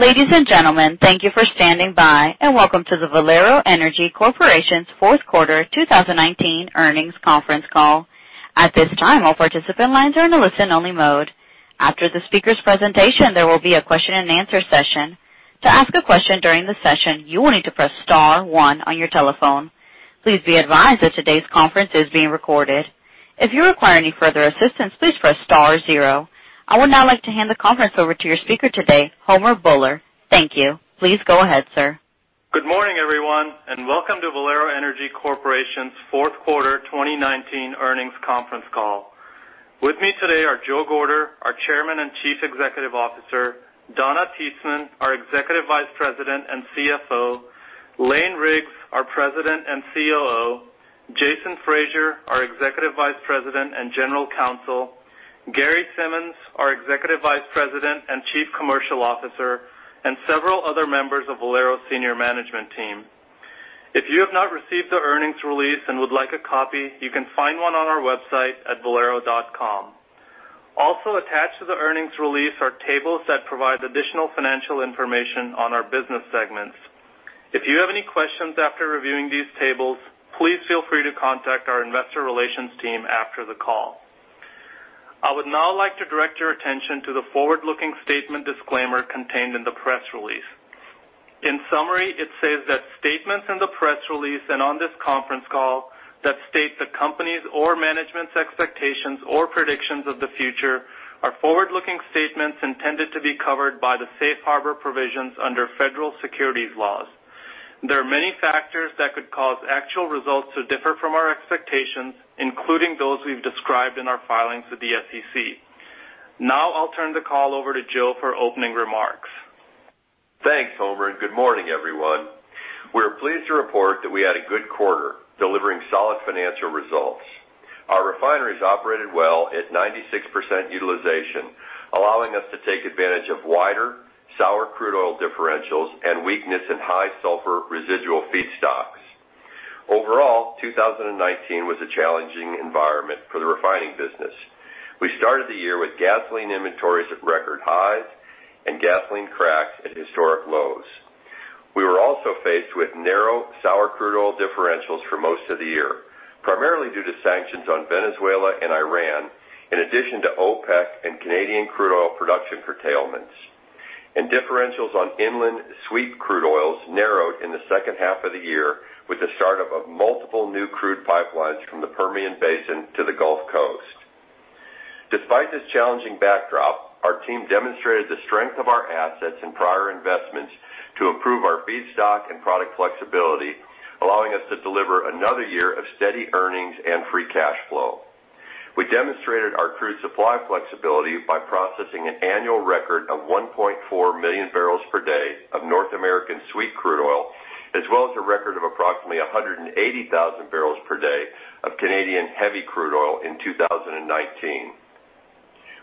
Ladies and gentlemen, thank you for standing by and welcome to the Valero Energy Corporation's Fourth Quarter 2019 Earnings Conference Call. At this time, all participant lines are in a listen-only mode. After the speaker's presentation, there will be a question and answer session. To ask a question during the session, you will need to press star one on your telephone. Please be advised that today's conference is being recorded. If you require any further assistance, please press star zero. I would now like to hand the conference over to your speaker today, Homer Bhullar. Thank you. Please go ahead, sir. Good morning, everyone, welcome to Valero Energy Corporation's fourth quarter 2019 earnings conference call. With me today are Joe Gorder, our Chairman and Chief Executive Officer; Donna Titzman, our Executive Vice President and CFO; Lane Riggs, our President and COO; Jason Fraser, our Executive Vice President and General Counsel; Gary Simmons, our Executive Vice President and Chief Commercial Officer; and several other members of Valero's senior management team. If you have not received the earnings release and would like a copy, you can find one on our website at valero.com. Attached to the earnings release are tables that provide additional financial information on our business segments. If you have any questions after reviewing these tables, please feel free to contact our investor relations team after the call. I would now like to direct your attention to the forward-looking statement disclaimer contained in the press release. In summary, it says that statements in the press release and on this conference call that state the company's or management's expectations or predictions of the future are forward-looking statements intended to be covered by the Safe Harbor provisions under federal securities laws. There are many factors that could cause actual results to differ from our expectations, including those we've described in our filings with the SEC. Now I'll turn the call over to Joe for opening remarks. Thanks, Homer, and good morning, everyone. We're pleased to report that we had a good quarter, delivering solid financial results. Our refineries operated well at 96% utilization, allowing us to take advantage of wider sour crude oil differentials and weakness in high sulfur residual feedstocks. Overall, 2019 was a challenging environment for the refining business. We started the year with gasoline inventories at record highs and gasoline cracks at historic lows. We were also faced with narrow sour crude oil differentials for most of the year, primarily due to sanctions on Venezuela and Iran, in addition to OPEC and Canadian crude oil production curtailments. Differentials on inland sweet crude oils narrowed in the second half of the year with the start of multiple new crude pipelines from the Permian Basin to the Gulf Coast. Despite this challenging backdrop, our team demonstrated the strength of our assets and prior investments to improve our feedstock and product flexibility, allowing us to deliver another year of steady earnings and free cash flow. We demonstrated our crude supply flexibility by processing an annual record of 1.4 million bpd of North American sweet crude oil, as well as a record of approximately 180,000 bpd of Canadian heavy crude oil in 2019.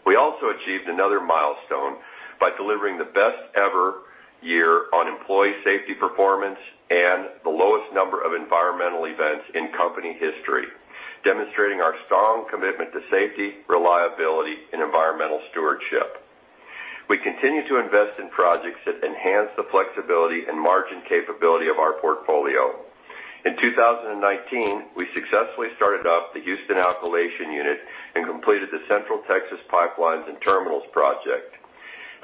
We also achieved another milestone by delivering the best ever year on employee safety performance and the lowest number of environmental events in company history, demonstrating our strong commitment to safety, reliability, and environmental stewardship. We continue to invest in projects that enhance the flexibility and margin capability of our portfolio. In 2019, we successfully started up the Houston Alkylation Unit and completed the Central Texas Pipelines and Terminals project.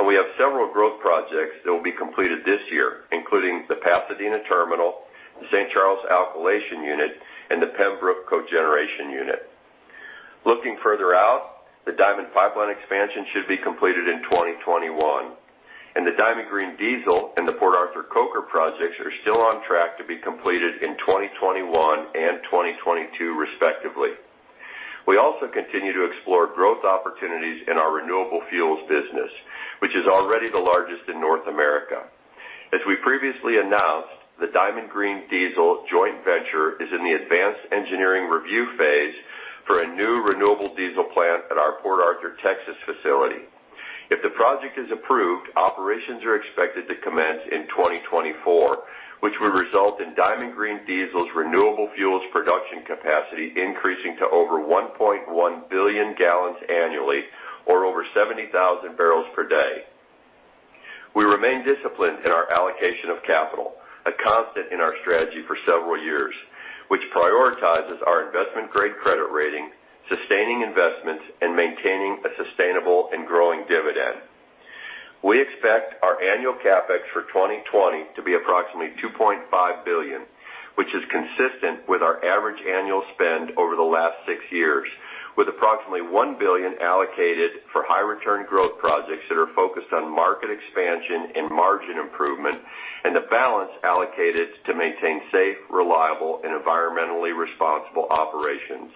We have several growth projects that will be completed this year, including the Pasadena Terminal, the St. Charles Alkylation Unit, and the Pembroke Cogeneration Unit. Looking further out, the Diamond Pipeline expansion should be completed in 2021, and the Diamond Green Diesel and the Port Arthur Coker projects are still on track to be completed in 2021 and 2022, respectively. We also continue to explore growth opportunities in our renewable fuels business, which is already the largest in North America. As we previously announced, the Diamond Green Diesel joint venture is in the advanced engineering review phase for a new renewable diesel plant at our Port Arthur, Texas facility. If the project is approved, operations are expected to commence in 2024, which would result in Diamond Green Diesel's renewable fuels production capacity increasing to over 1.1 billion gallons annually or over 70,000 bpd. We remain disciplined in our allocation of capital, a constant in our strategy for several years, which prioritizes our investment-grade credit rating, sustaining investments, and maintaining a sustainable and growing dividend. We expect our annual CapEx for 2020 to be approximately $2.5 billion, which is consistent with our average annual spend over the last six years, with approximately $1 billion allocated for high-return growth projects that are focused on market expansion and margin improvement, and the balance allocated to maintain safe, reliable, and environmentally responsible operations.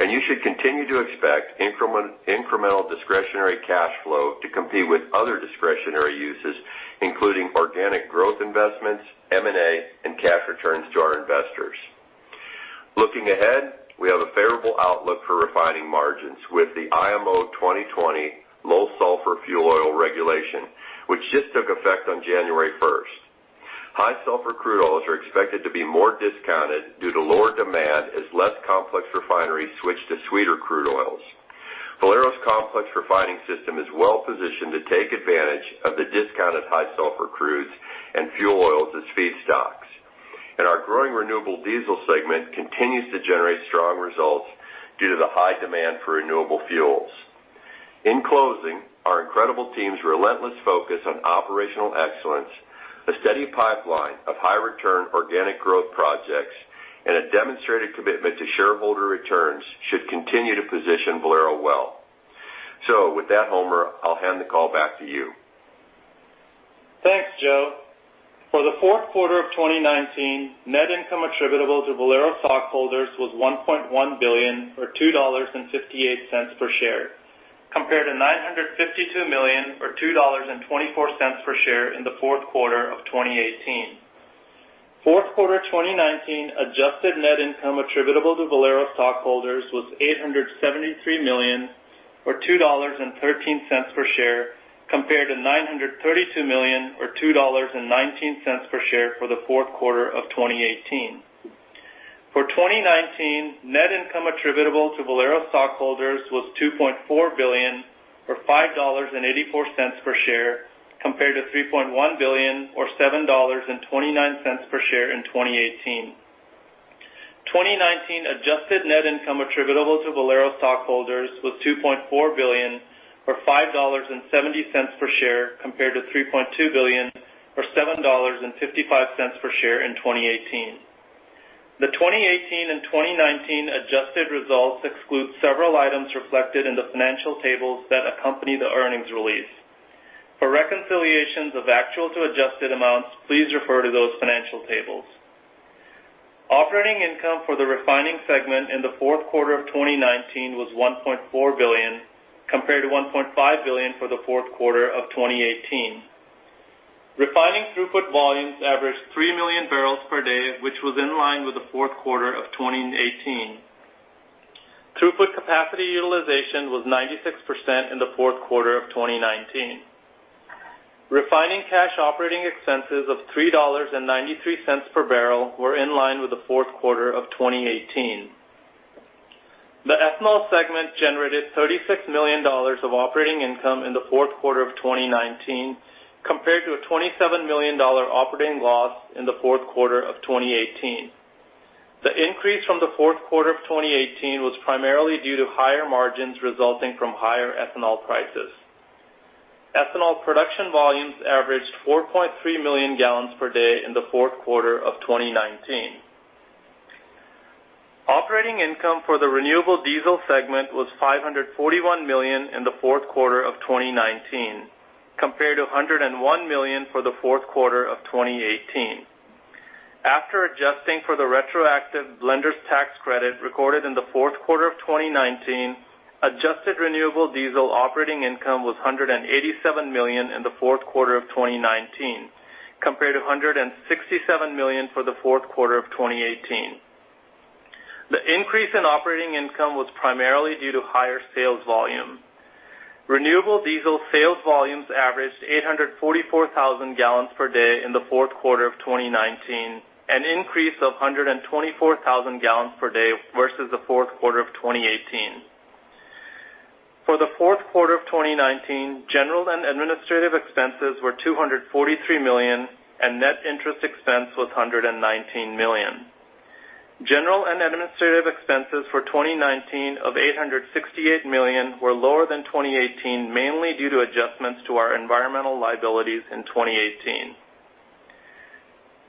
You should continue to expect incremental discretionary cash flow to compete with other discretionary uses, including organic growth investments, M&A, and cash returns to our investors. Looking ahead, we have a favorable outlook for refining margins with the IMO 2020 low sulfur fuel oil regulation, which just took effect on January 1st. High sulfur crude oils are expected to be more discounted due to lower demand as less complex refineries switch to sweeter crude oils. Valero's complex refining system is well-positioned to take advantage of the discounted high sulfur crudes and fuel oils as feedstocks. Our growing renewable diesel segment continues to generate strong results due to the high demand for renewable fuels. In closing, our incredible team's relentless focus on operational excellence, a steady pipeline of high-return organic growth projects, and a demonstrated commitment to shareholder returns should continue to position Valero well. With that, Homer, I'll hand the call back to you. Thanks, Joe. For the fourth quarter of 2019, net income attributable to Valero stockholders was $1.1 billion or $2.58 per share, compared to $952 million or $2.24 per share in the fourth quarter of 2018. Fourth quarter 2019 adjusted net income attributable to Valero stockholders was $873 million or $2.13 per share compared to $932 million or $2.19 per share for the fourth quarter of 2018. For 2019, net income attributable to Valero stockholders was $2.4 billion or $5.84 per share, compared to $3.1 billion or $7.29 per share in 2018. 2019 adjusted net income attributable to Valero stockholders was $2.4 billion or $5.70 per share compared to $3.2 billion or $7.55 per share in 2018. The 2018 and 2019 adjusted results exclude several items reflected in the financial tables that accompany the earnings release. For reconciliations of actual to adjusted amounts, please refer to those financial tables. Operating income for the refining segment in the fourth quarter of 2019 was $1.4 billion, compared to $1.5 billion for the fourth quarter of 2018. Refining throughput volumes averaged 3 million bpd, which was in line with the fourth quarter of 2018. Throughput capacity utilization was 96% in the fourth quarter of 2019. Refining cash operating expenses of $3.93/bbl were in line with the fourth quarter of 2018. The ethanol segment generated $36 million of operating income in the fourth quarter of 2019, compared to a $27 million operating loss in the fourth quarter of 2018. The increase from the fourth quarter of 2018 was primarily due to higher margins resulting from higher ethanol prices. Ethanol production volumes averaged 4.3 million gallons per day in the fourth quarter of 2019. Operating income for the renewable diesel segment was $541 million in the fourth quarter of 2019, compared to $101 million for the fourth quarter of 2018. After adjusting for the retroactive blender's tax credit recorded in the fourth quarter of 2019, adjusted renewable diesel operating income was $187 million in the fourth quarter of 2019, compared to $167 million for the fourth quarter of 2018. The increase in operating income was primarily due to higher sales volume. Renewable diesel sales volumes averaged 844,000 gallons per day in the fourth quarter of 2019, an increase of 124,000 gallons per day versus the fourth quarter of 2018. For the fourth quarter of 2019, general and administrative expenses were $243 million, and net interest expense was $119 million. General and administrative expenses for 2019 of $868 million were lower than 2018, mainly due to adjustments to our environmental liabilities in 2018.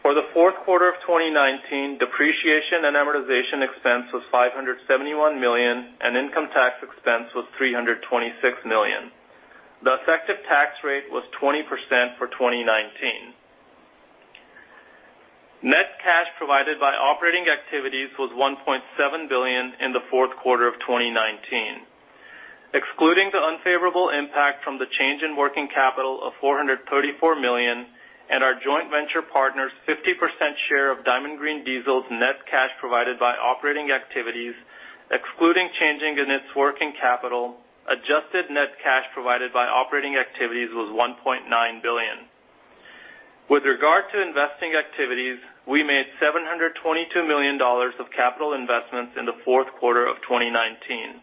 For the fourth quarter of 2019, depreciation and amortization expense was $571 million, and income tax expense was $326 million. The effective tax rate was 20% for 2019. Net cash provided by operating activities was $1.7 billion in the fourth quarter of 2019. Excluding the unfavorable impact from the change in working capital of $434 million and our joint venture partner's 50% share of Diamond Green Diesel's net cash provided by operating activities, excluding changes in its working capital, adjusted net cash provided by operating activities was $1.9 billion. With regard to investing activities, we made $722 million of capital investments in the fourth quarter of 2019,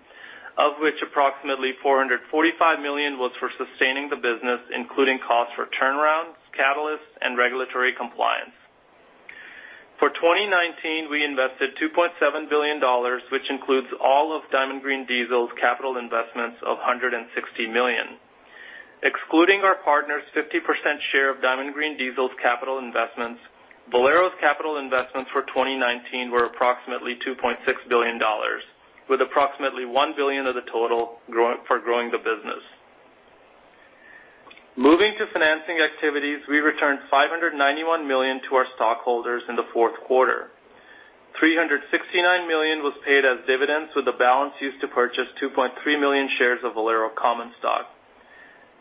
of which approximately $445 million was for sustaining the business, including costs for turnarounds, catalysts, and regulatory compliance. For 2019, we invested $2.7 billion, which includes all of Diamond Green Diesel's capital investments of $160 million. Excluding our partner's 50% share of Diamond Green Diesel's capital investments, Valero's capital investments for 2019 were approximately $2.6 billion, with approximately $1 billion of the total for growing the business. Moving to financing activities, we returned $591 million to our stockholders in the fourth quarter. $369 million was paid as dividends, with the balance used to purchase 2.3 million shares of Valero common stock.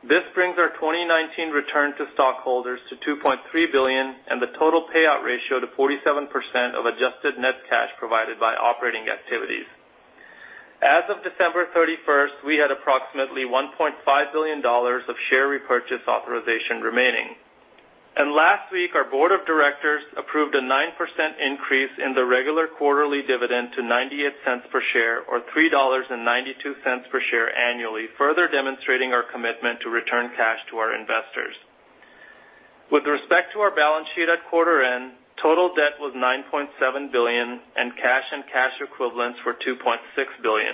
This brings our 2019 return to stockholders to $2.3 billion and the total payout ratio to 47% of adjusted net cash provided by operating activities. As of December 31st, we had approximately $1.5 billion of share repurchase authorization remaining. Last week, our board of directors approved a 9% increase in the regular quarterly dividend to $0.98 per share or $3.92 per share annually, further demonstrating our commitment to return cash to our investors. With respect to our balance sheet at quarter end, total debt was $9.7 billion, and cash and cash equivalents were $2.6 billion.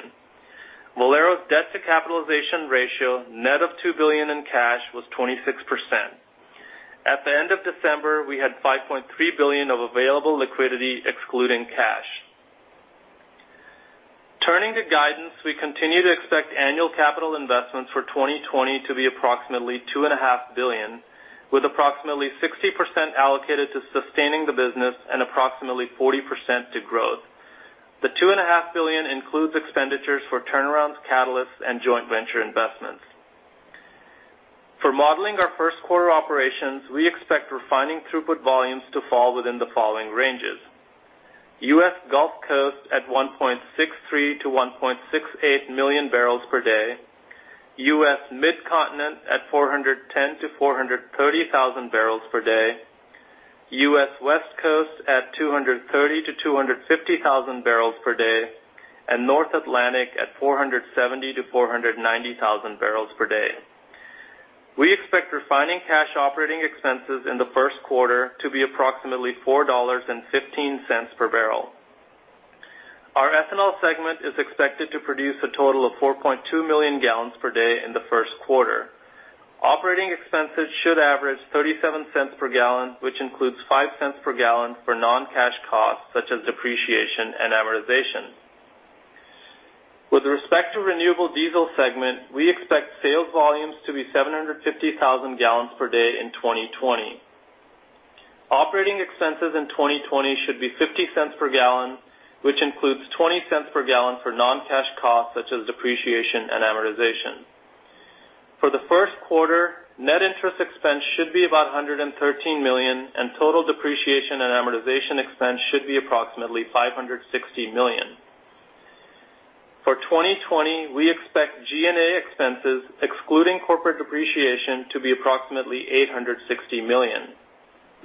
Valero's debt-to-capitalization ratio, net of $2 billion in cash, was 26%. At the end of December, we had $5.3 billion of available liquidity excluding cash. Turning to guidance, we continue to expect annual capital investments for 2020 to be approximately $2.5 billion, with approximately 60% allocated to sustaining the business and approximately 40% to growth. The $2.5 billion includes expenditures for turnarounds, catalysts, and joint venture investments. For modeling our first quarter operations, we expect refining throughput volumes to fall within the following ranges: U.S. Gulf Coast at 1.63 million-1.68 million bpd, U.S. Mid-Continent at 410,000-430,000 bpd, U.S. West Coast at 230,000-250,000 bpd, and North Atlantic at 470,000-490,000 bpd. We expect refining cash operating expenses in the first quarter to be approximately $4.15/bbl. Our ethanol segment is expected to produce a total of 4.2 million gallons per day in the first quarter. Operating expenses should average $0.37 per gallon, which includes $0.05 per gallon for non-cash costs such as depreciation and amortization. With respect to renewable diesel segment, we expect sales volumes to be 750,000 gallons per day in 2020. Operating expenses in 2020 should be $0.50 per gallon, which includes $0.20 per gallon for non-cash costs such as depreciation and amortization. For the first quarter, net interest expense should be about $113 million, and total depreciation and amortization expense should be approximately $560 million. For 2020, we expect G&A expenses, excluding corporate depreciation, to be approximately $860 million.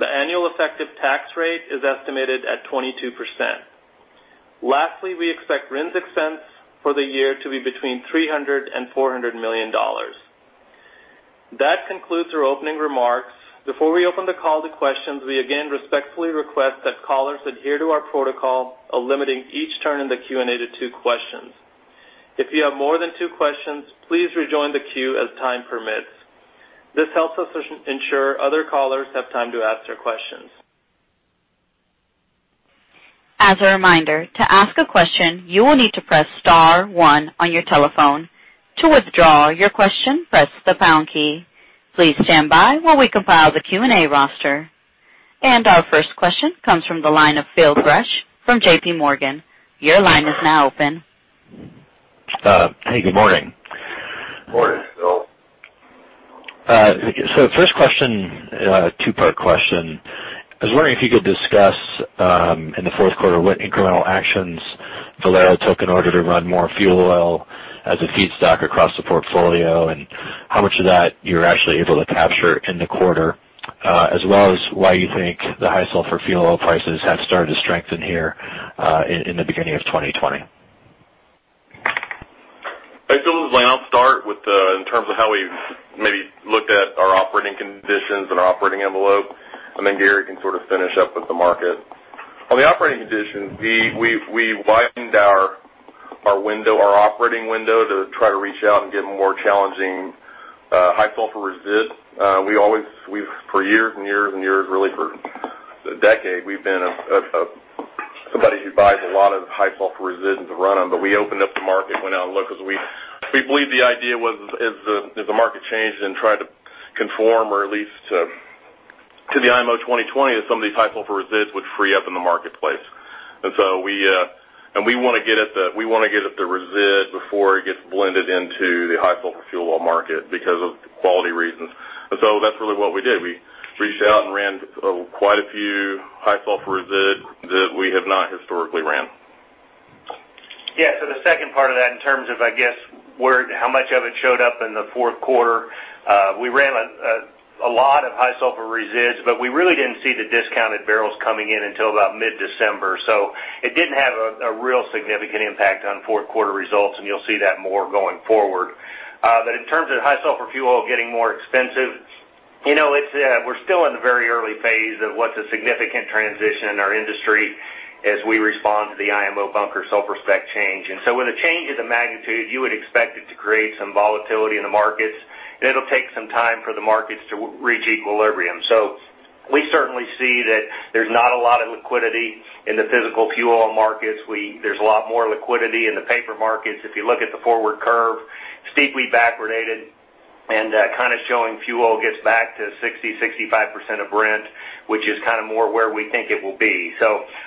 The annual effective tax rate is estimated at 22%. Lastly, we expect RINs expense for the year to be between $300 million and $400 million. That concludes our opening remarks. Before we open the call to questions, we again respectfully request that callers adhere to our protocol of limiting each turn in the Q&A to two questions. If you have more than two questions, please rejoin the queue as time permits. This helps us ensure other callers have time to ask their questions. As a reminder, to ask a question, you will need to press star one on your telephone. To withdraw your question, press the # key. Please stand by while we compile the Q&A roster. Our first question comes from the line of Phil Gresh from JPMorgan. Your line is now open. Hey, good morning. Morning, Phil. First question, a two-part question. I was wondering if you could discuss, in the fourth quarter, what incremental actions Valero took in order to run more fuel oil as a feedstock across the portfolio, and how much of that you were actually able to capture in the quarter. As well as why you think the high sulfur fuel oil prices have started to strengthen here in the beginning of 2020. Hey, Phil, this is Lane. I'll start in terms of how we've maybe looked at our operating conditions and our operating envelope, and then Gary can sort of finish up with the market. On the operating conditions, we widened our operating window to try to reach out and get more challenging high sulfur resid. For years and years, really for a decade, we've been somebody who buys a lot of high sulfur resid to run on. We opened up the market and went out and looked, because we believed the idea was, as the market changed and tried to conform or at least to the IMO 2020, that some of these high sulfur resid would free up in the marketplace. We want to get at the resid before it gets blended into the high sulfur fuel oil market because of quality reasons. That's really what we did. We reached out and ran quite a few high sulfur resid that we have not historically ran. The second part of that in terms of, I guess, how much of it showed up in the fourth quarter. We ran a lot of high sulfur resids, but we really didn't see the discounted barrels coming in until about mid-December. It didn't have a real significant impact on fourth quarter results, and you'll see that more going forward. In terms of high sulfur fuel oil getting more expensive, we're still in the very early phase of what's a significant transition in our industry as we respond to the IMO bunker sulfur spec change. When the change is a magnitude, you would expect it to create some volatility in the markets, and it'll take some time for the markets to reach equilibrium. We certainly see that there's not a lot of liquidity in the physical fuel oil markets. There's a lot more liquidity in the paper markets. If you look at the forward curve, steeply backwardated and kind of showing fuel oil gets back to 60%-65% of Brent, which is more where we think it will be.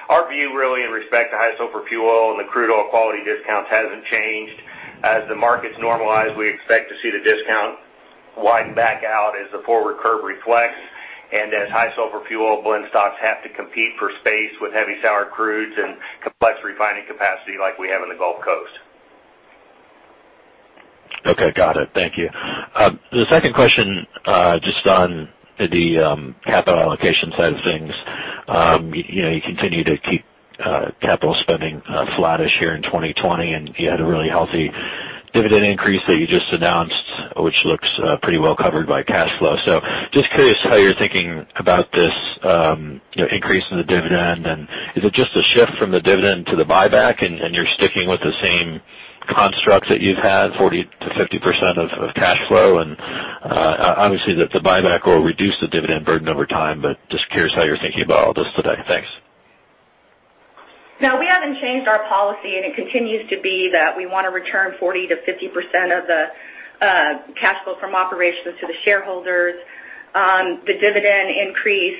Our view really in respect to high sulfur fuel oil and the crude oil quality discounts hasn't changed. As the markets normalize, we expect to see the discount Widen back out as the forward curve reflects, and as high sulfur fuel blend stocks have to compete for space with heavy sour crudes and complex refining capacity like we have in the Gulf Coast. Okay, got it. Thank you. The second question, just on the capital allocation side of things. You continue to keep capital spending flattish here in 2020. You had a really healthy dividend increase that you just announced, which looks pretty well covered by cash flow. Just curious how you're thinking about this increase in the dividend. Is it just a shift from the dividend to the buyback, and you're sticking with the same construct that you've had, 40%-50% of cash flow? Obviously, the buyback will reduce the dividend burden over time. Just curious how you're thinking about all this today. Thanks. No, we haven't changed our policy, and it continues to be that we want to return 40%-50% of the cash flow from operations to the shareholders. The dividend increase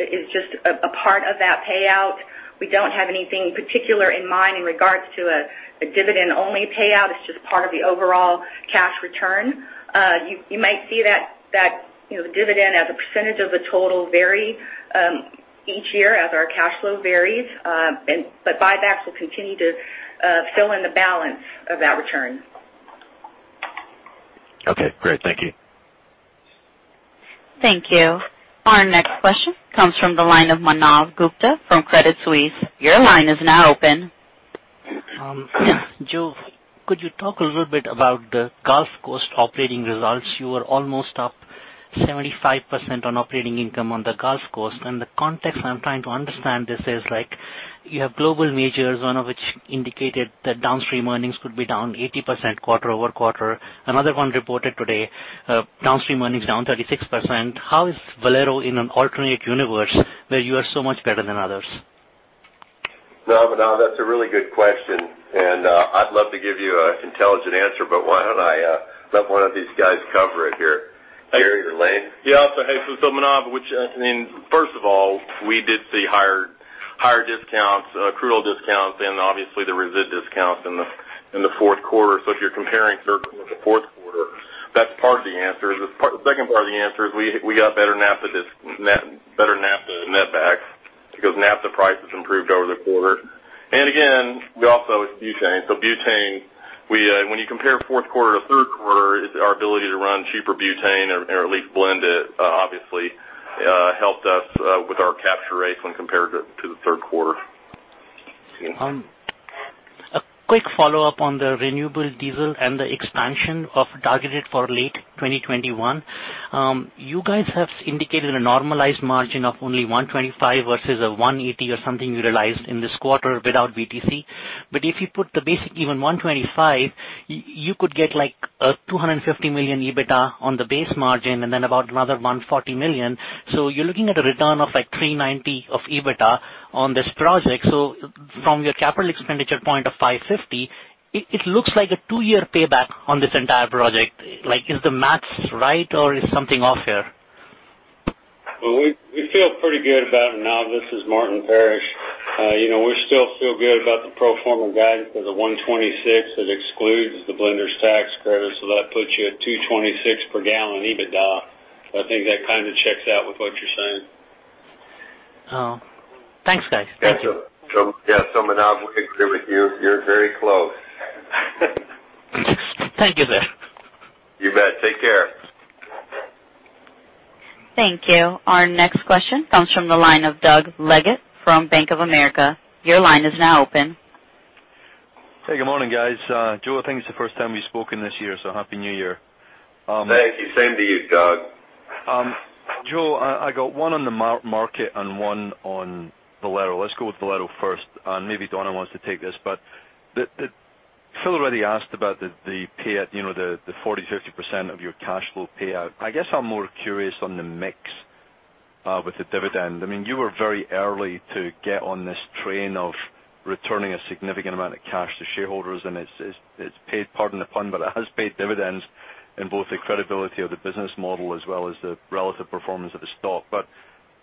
is just a part of that payout. We don't have anything particular in mind in regards to a dividend-only payout. It's just part of the overall cash return. You might see that dividend as a percentage of the total vary each year as our cash flow varies. Buybacks will continue to fill in the balance of that return. Okay, great. Thank you. Thank you. Our next question comes from the line of Manav Gupta from Credit Suisse. Your line is now open. Joe, could you talk a little bit about the Gulf Coast operating results? You were almost up 75% on operating income on the Gulf Coast, and the context I'm trying to understand this is you have global majors, one of which indicated that downstream earnings could be down 80% quarter-over-quarter. Another one reported today, downstream earnings down 36%. How is Valero in an alternate universe where you are so much better than others? No, Manav, that's a really good question, and I'd love to give you an intelligent answer, but why don't I let one of these guys cover it here? Gary or Lane? Manav, first of all, we did see higher discounts, crude oil discounts, and obviously the resid discounts in the fourth quarter. If you're comparing third quarter with the fourth quarter, that's part of the answer. The second part of the answer is we got better naphtha netbacks because naphtha prices improved over the quarter. Butane, when you compare fourth quarter to third quarter, our ability to run cheaper butane or at least blend it, obviously, helped us with our capture rates when compared to the third quarter. A quick follow-up on the renewable diesel and the expansion targeted for late 2021. You guys have indicated a normalized margin of only $125 versus a $180 or something you realized in this quarter without BTC. If you put the basic even $125, you could get like a $250 million EBITDA on the base margin and then about another $140 million. You're looking at a return of like $390 of EBITDA on this project. From your capital expenditure point of $550, it looks like a 2-year payback on this entire project. Is the maths right or is something off here? Well, we feel pretty good about it. Manav, this is Martin Parrish. We still feel good about the pro forma guidance of the $1.26 that excludes the blenders tax credit, so that puts you at $2.26 per gallon EBITDA. I think that checks out with what you're saying. Thanks, guys. Thank you. Yeah. Manav, we agree with you. You're very close. Thank you, sir. You bet. Take care. Thank you. Our next question comes from the line of Doug Leggate from Bank of America. Your line is now open. Hey, good morning, guys. Joe, I think it's the first time we've spoken this year, so happy New Year. Thank you. Same to you, Doug. Joe, I got one on the market and one on Valero. Let's go with Valero first. Maybe Donna wants to take this, but Phil already asked about the payout, the 40%-50% of your cash flow payout. I guess I'm more curious on the mix with the dividend. You were very early to get on this train of returning a significant amount of cash to shareholders, and it's paid, pardon the pun, but it has paid dividends in both the credibility of the business model as well as the relative performance of the stock.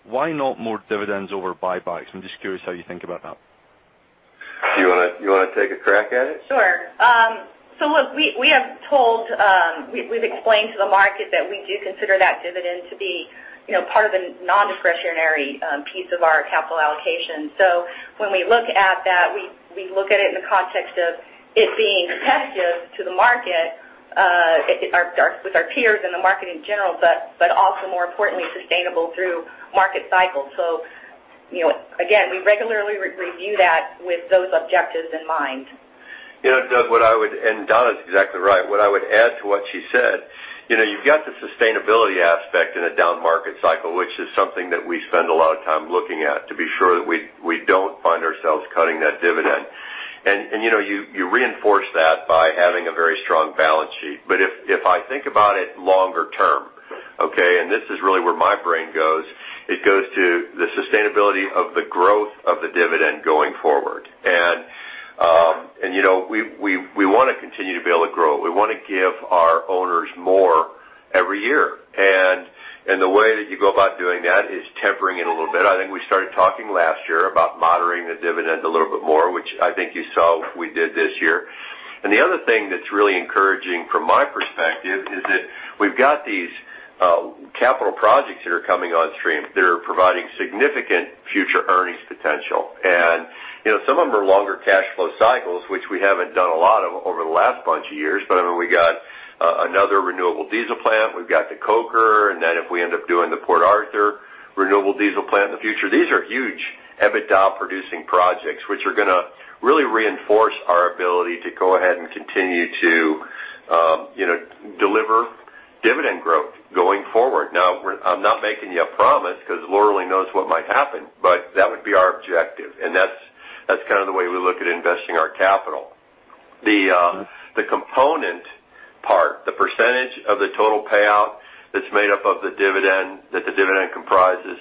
Why not more dividends over buybacks? I'm just curious how you think about that. Do you want to take a crack at it? Sure. Look, we've explained to the market that we do consider that dividend to be part of a non-discretionary piece of our capital allocation. When we look at that, we look at it in the context of it being competitive to the market, with our peers and the market in general, but also more importantly, sustainable through market cycles. Again, we regularly review that with those objectives in mind. Doug, Donna is exactly right. What I would add to what she said, you've got the sustainability aspect in a down market cycle, which is something that we spend a lot of time looking at to be sure that we don't find ourselves cutting that dividend. You reinforce that by having a very strong balance sheet. If I think about it longer term, okay, this is really where my brain goes, it goes to the sustainability of the growth of the dividend going forward. We want to continue to be able to grow. We want to give our owners more every year. The way that you go about doing that is tempering it a little bit. I think we started talking last year about moderating the dividend a little bit more, which I think you saw we did this year. The other thing that's really encouraging from my perspective is that we've got these capital projects that are coming on stream that are providing significant future earnings potential. Some of them are longer cash flow cycles, which we haven't done a lot of over the last bunch of years. We got another renewable diesel plant, we've got the coker, and then if we end up doing the Port Arthur renewable diesel plant in the future. These are huge EBITDA producing projects, which are going to really reinforce our ability to go ahead and continue to deliver dividend growth going forward. Now, I'm not making you a promise because Lord only knows what might happen, but that would be our objective, and that's kind of the way we look at investing our capital. The component part, the percentage of the total payout that's made up of the dividend, that the dividend comprises,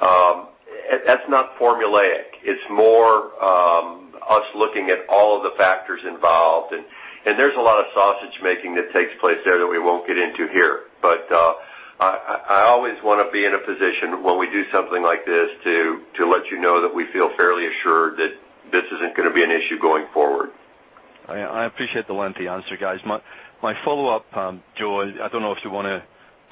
that's not formulaic. It's more us looking at all of the factors involved. There's a lot of sausage-making that takes place there that we won't get into here. I always want to be in a position when we do something like this to let you know that we feel fairly assured that this isn't going to be an issue going forward. I appreciate the lengthy answer, guys. My follow-up, Joe, I don't know if you want to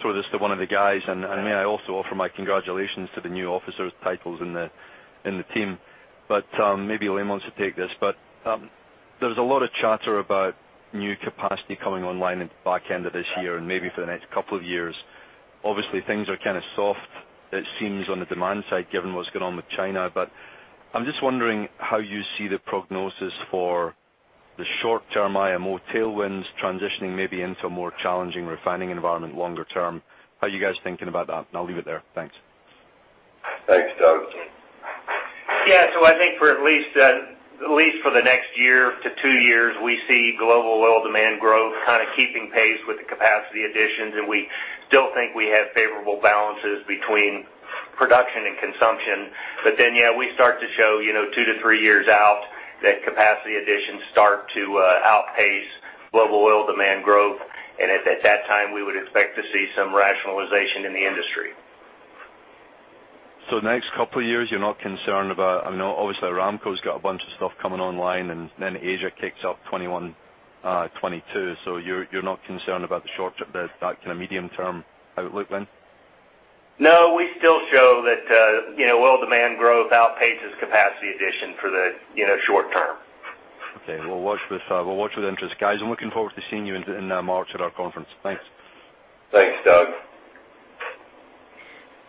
throw this to one of the guys, and may I also offer my congratulations to the new officers titles in the team. Maybe Lane wants to take this. There's a lot of chatter about new capacity coming online in the back end of this year and maybe for the next couple of years. Obviously, things are kind of soft, it seems on the demand side, given what's going on with China. I'm just wondering how you see the prognosis for the short-term IMO tailwinds transitioning maybe into a more challenging refining environment longer term. How are you guys thinking about that? I'll leave it there. Thanks. Thanks, Doug. Yeah. I think for at least for the next 1-2 years, we see global oil demand growth kind of keeping pace with the capacity additions, and we still think we have favorable balances between production and consumption. Yeah, we start to show 2-3 years out that capacity additions start to outpace global oil demand growth. At that time, we would expect to see some rationalization in the industry. Next couple of years, obviously, Aramco's got a bunch of stuff coming online, and then Asia kicks off 2021, 2022. You're not concerned about the short to medium term outlook then? No, we still show that oil demand growth outpaces capacity addition for the short term. Okay. We'll watch with interest. Guys, I'm looking forward to seeing you in March at our conference. Thanks. Thanks, Doug.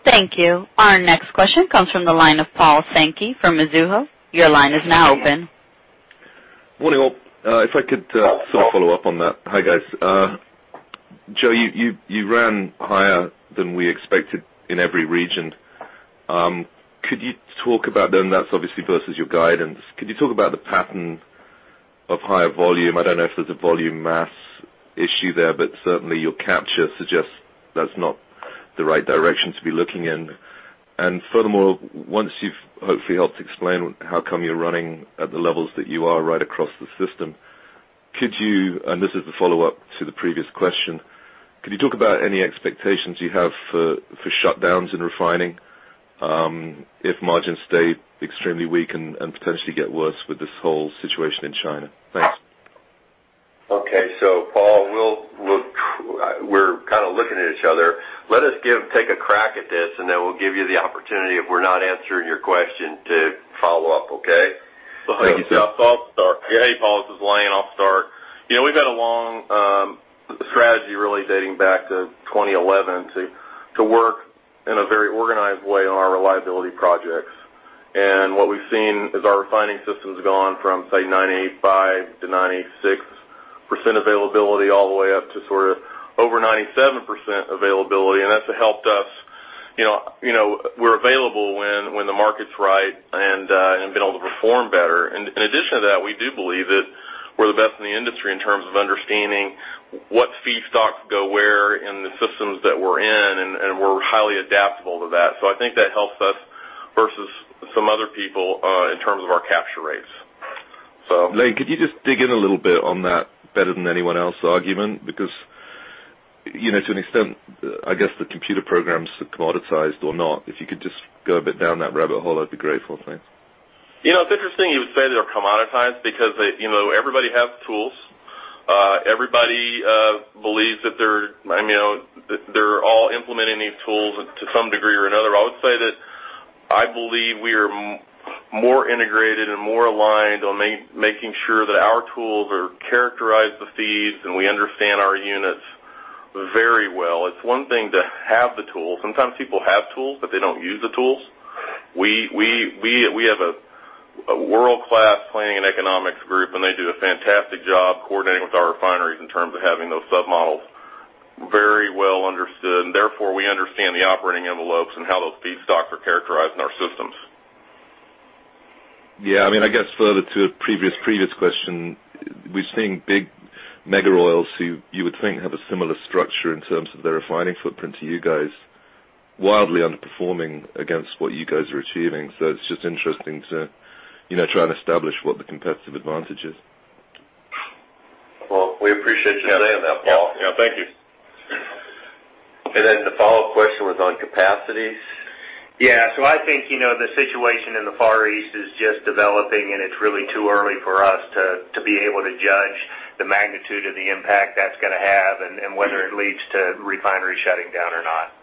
Thank you. Our next question comes from the line of Paul Sankey from Mizuho. Your line is now open. Morning, all. If I could sort of follow up on that. Hi, guys. Joe, you ran higher than we expected in every region. That's obviously versus your guidance. Could you talk about the pattern of higher volume? I don't know if there's a volume mass issue there, but certainly your capture suggests that's not the right direction to be looking in. Furthermore, once you've hopefully helped explain how come you're running at the levels that you are right across the system, and this is the follow-up to the previous question, could you talk about any expectations you have for shutdowns in refining if margins stay extremely weak and potentially get worse with this whole situation in China? Thanks. Okay. Paul, we're kind of looking at each other. Let us take a crack at this, and then we'll give you the opportunity if we're not answering your question to follow up, okay? Thank you. Hey, Paul, this is Lane. I'll start. We've got a long strategy really dating back to 2011 to work in a very organized way on our reliability projects. What we've seen is our refining system's gone from, say, 95% to 96% availability all the way up to sort of over 97% availability, and that's helped us. We're available when the market's right and have been able to perform better. In addition to that, we do believe that we're the best in the industry in terms of understanding what feedstocks go where in the systems that we're in, and we're highly adaptable to that. I think that helps us versus some other people in terms of our capture rates. Lane, could you just dig in a little bit on that better than anyone else argument? To an extent, I guess the computer programs commoditized or not. If you could just go a bit down that rabbit hole, I'd be grateful. Thanks. It's interesting you would say they're commoditized because everybody has tools. Everybody believes that they're all implementing these tools to some degree or another. I would say that I believe we are more integrated and more aligned on making sure that our tools characterize the feeds, and we understand our units very well. It's one thing to have the tools. Sometimes people have tools, but they don't use the tools. We have a world-class planning and economics group, and they do a fantastic job coordinating with our refineries in terms of having those sub-models very well understood, and therefore we understand the operating envelopes and how those feedstocks are characterized in our systems. Yeah. I guess further to a previous question, we're seeing big mega oils, who you would think have a similar structure in terms of their refining footprint to you guys, wildly underperforming against what you guys are achieving. It's just interesting to try and establish what the competitive advantage is. Well, we appreciate you saying that, Paul. Yeah. Thank you. The follow-up question was on capacities? Yeah. I think, the situation in the Far East is just developing, and it's really too early for us to be able to judge the magnitude of the impact that's going to have and whether it leads to refineries shutting down or not.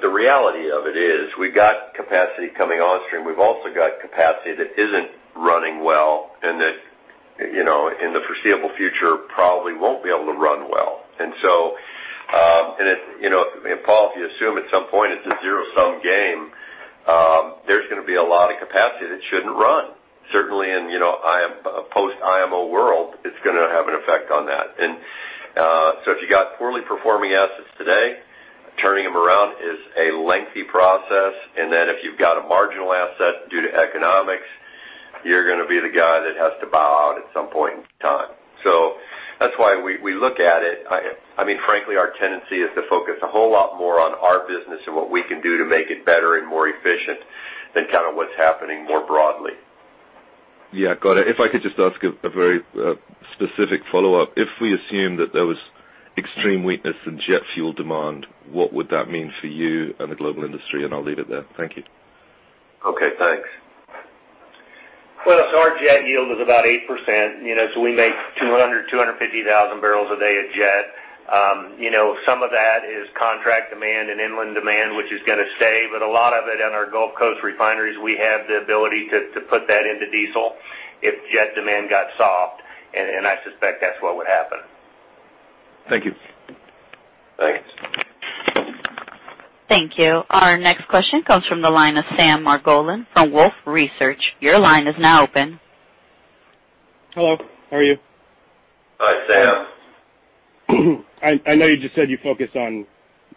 The reality of it is we've got capacity coming on stream. We've also got capacity that isn't running well and that, in the foreseeable future, probably won't be able to run well. Paul, if you assume at some point it's a zero-sum game, there's going to be a lot of capacity that shouldn't run. Certainly in a post-IMO world, it's going to have an effect on that. If you got poorly performing assets today, turning them around is a lengthy process. If you've got a marginal asset due to economics, you're going to be the guy that has to bow out at some point in time. That's why we look at it. Frankly, our tendency is to focus a whole lot more on our business and what we can do to make it better and more efficient than what's happening more broadly. Yeah. Got it. If I could just ask a very specific follow-up. If we assume that there was extreme weakness in jet fuel demand, what would that mean for you and the global industry? I'll leave it there. Thank you. Okay, thanks. Well, our jet yield is about 8%. We make 200,000-250,000 bpd of jet. Some of that is contract demand and inland demand, which is going to stay, but a lot of it in our Gulf Coast refineries, we have the ability to put that into diesel if jet demand got soft, and I suspect that's what would happen. Thank you. Thanks. Thank you. Our next question comes from the line of Sam Margolin from Wolfe Research. Your line is now open. Hello, how are you? Hi, Sam. I know you just said you focus on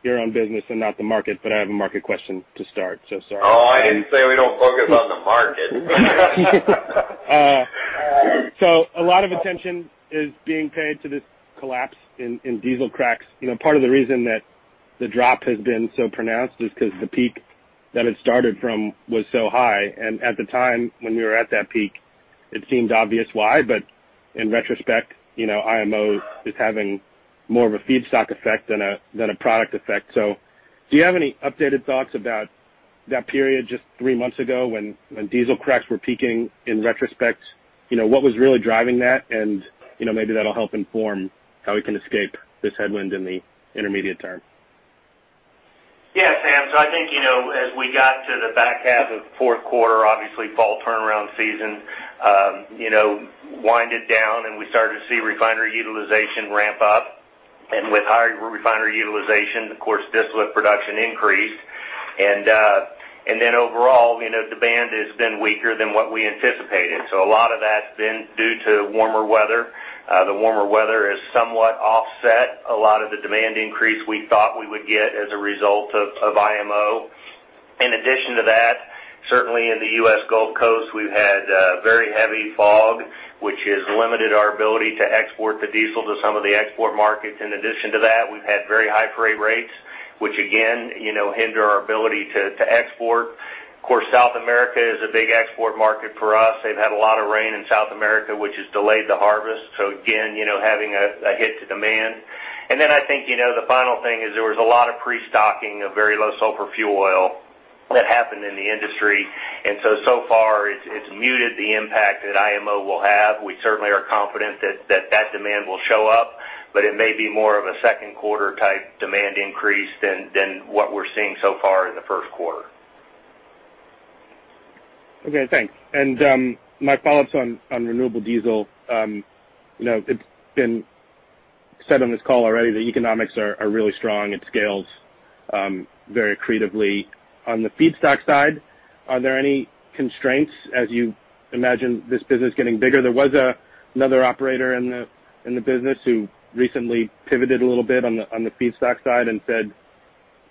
your own business and not the market, but I have a market question to start, so sorry. Oh, I didn't say we don't focus on the market. A lot of attention is being paid to this collapse in diesel cracks. Part of the reason that the drop has been so pronounced is because the peak that it started from was so high, and at the time when we were at that peak, it seemed obvious why. In retrospect, IMO is having more of a feedstock effect than a product effect. Do you have any updated thoughts about that period just three months ago when diesel cracks were peaking? In retrospect, what was really driving that? Maybe that'll help inform how we can escape this headwind in the intermediate term. Yeah, Sam. I think, as we got to the back half of fourth quarter, obviously fall turnaround season winded down, and we started to see refinery utilization ramp up. With higher refinery utilization, of course, distillate production increased. Overall, demand has been weaker than what we anticipated. A lot of that's been due to warmer weather. The warmer weather has somewhat offset a lot of the demand increase we thought we would get as a result of IMO. In addition to that, certainly in the U.S. Gulf Coast, we've had very heavy fog, which has limited our ability to export the diesel to some of the export markets. In addition to that, we've had very high freight rates, which again, hinder our ability to export. Of course, South America is a big export market for us. They've had a lot of rain in South America, which has delayed the harvest. Again, having a hit to demand. I think, the final thing is there was a lot of pre-stocking of very low sulfur fuel oil that happened in the industry, so far it's muted the impact that IMO will have. We certainly are confident that that demand will show up, it may be more of a second quarter type demand increase than what we're seeing so far in the first quarter. Okay, thanks. My follow-up's on renewable diesel. It's been said on this call already that economics are really strong. It scales very creatively. On the feedstock side, are there any constraints as you imagine this business getting bigger? There was another operator in the business who recently pivoted a little bit on the feedstock side and said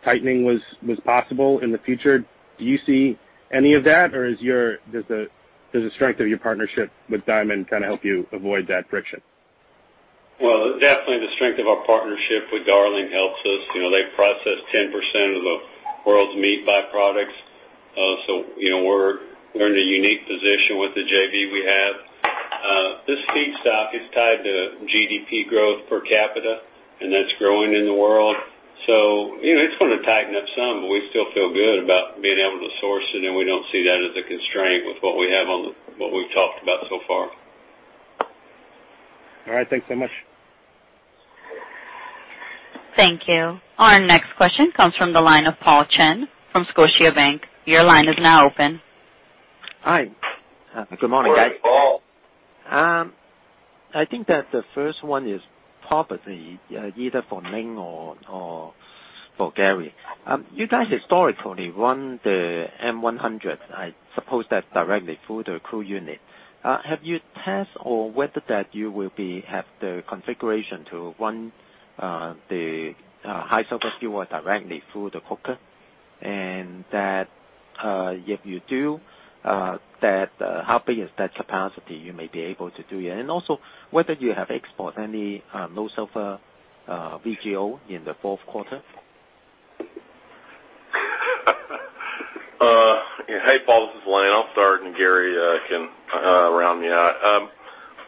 tightening was possible in the future. Do you see any of that, or does the strength of your partnership with Darling help you avoid that friction? Definitely the strength of our partnership with Darling helps us. They process 10% of the world's meat byproducts. We're in a unique position with the JV we have. This feedstock is tied to GDP growth per capita, and that's growing in the world. It's going to tighten up some, but we still feel good about being able to source it, and we don't see that as a constraint with what we've talked about so far. All right. Thanks so much. Thank you. Our next question comes from the line of Paul Cheng from Scotiabank. Your line is now open. Hi. Good morning, guys. Morning, Paul. I think that the first one is probably either for Lane or for Gary. You guys historically run the M100. I suppose that's directly through the crude unit. Have you tested or whether that you will have the configuration to run the high sulfur fuel directly through the coker, and that if you do, how big is that capacity you may be able to do? Also whether you have exported any low sulfur VGO in the fourth quarter? Hey, Paul, this is Lane. I'll start. Gary can round me out.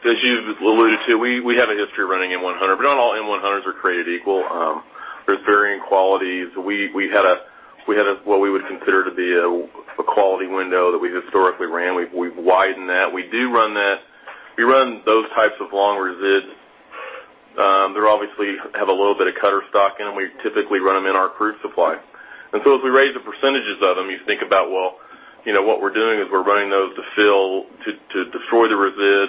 As you alluded to, we have a history of running M100. Not all M100s are created equal. There's varying qualities. We had what we would consider to be a quality window that we historically ran. We've widened that. We do run that. We run those types of long resids. They obviously have a little bit of cutter stock in them. We typically run them in our crude supply. As we raise the percentages of them, you think about what we're doing is we're running those to fill, to destroy the resid.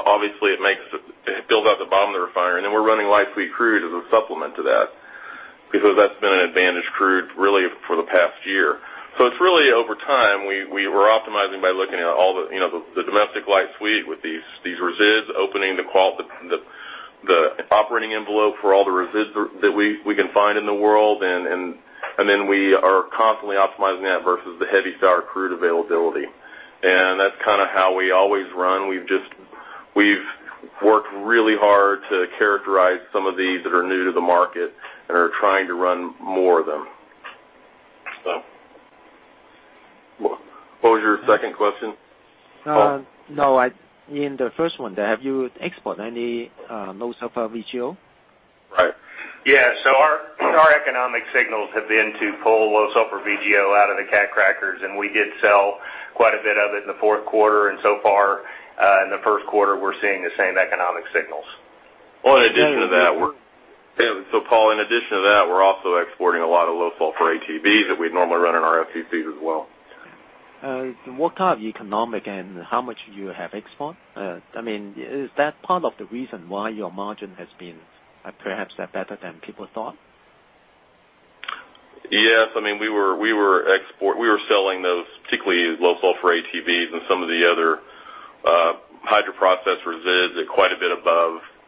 Obviously it builds out the bottom of the refiner. We're running light sweet crude as a supplement to that, because that's been an advantage crude really for the past year. It's really over time, we were optimizing by looking at all the domestic light sweet with these resids, opening the operating envelope for all the resids that we can find in the world. Then we are constantly optimizing that versus the heavy sour crude availability. That's kind of how we always run. We've worked really hard to characterize some of these that are new to the market, and are trying to run more of them. What was your second question, Paul? No, in the first one there. Have you export any low sulfur VGO? Yeah. Our economic signals have been to pull low sulfur VGO out of the cat crackers, and we did sell quite a bit of it in the fourth quarter. So far, in the first quarter, we're seeing the same economic signals. Well, in addition to that, Paul, in addition to that, we're also exporting a lot of low sulfur ATBs that we'd normally run in our FCCs as well. What kind of economic and how much you have export? Is that part of the reason why your margin has been perhaps better than people thought? Yes. We were selling those, particularly low sulfur ATBs and some of the other hydroprocess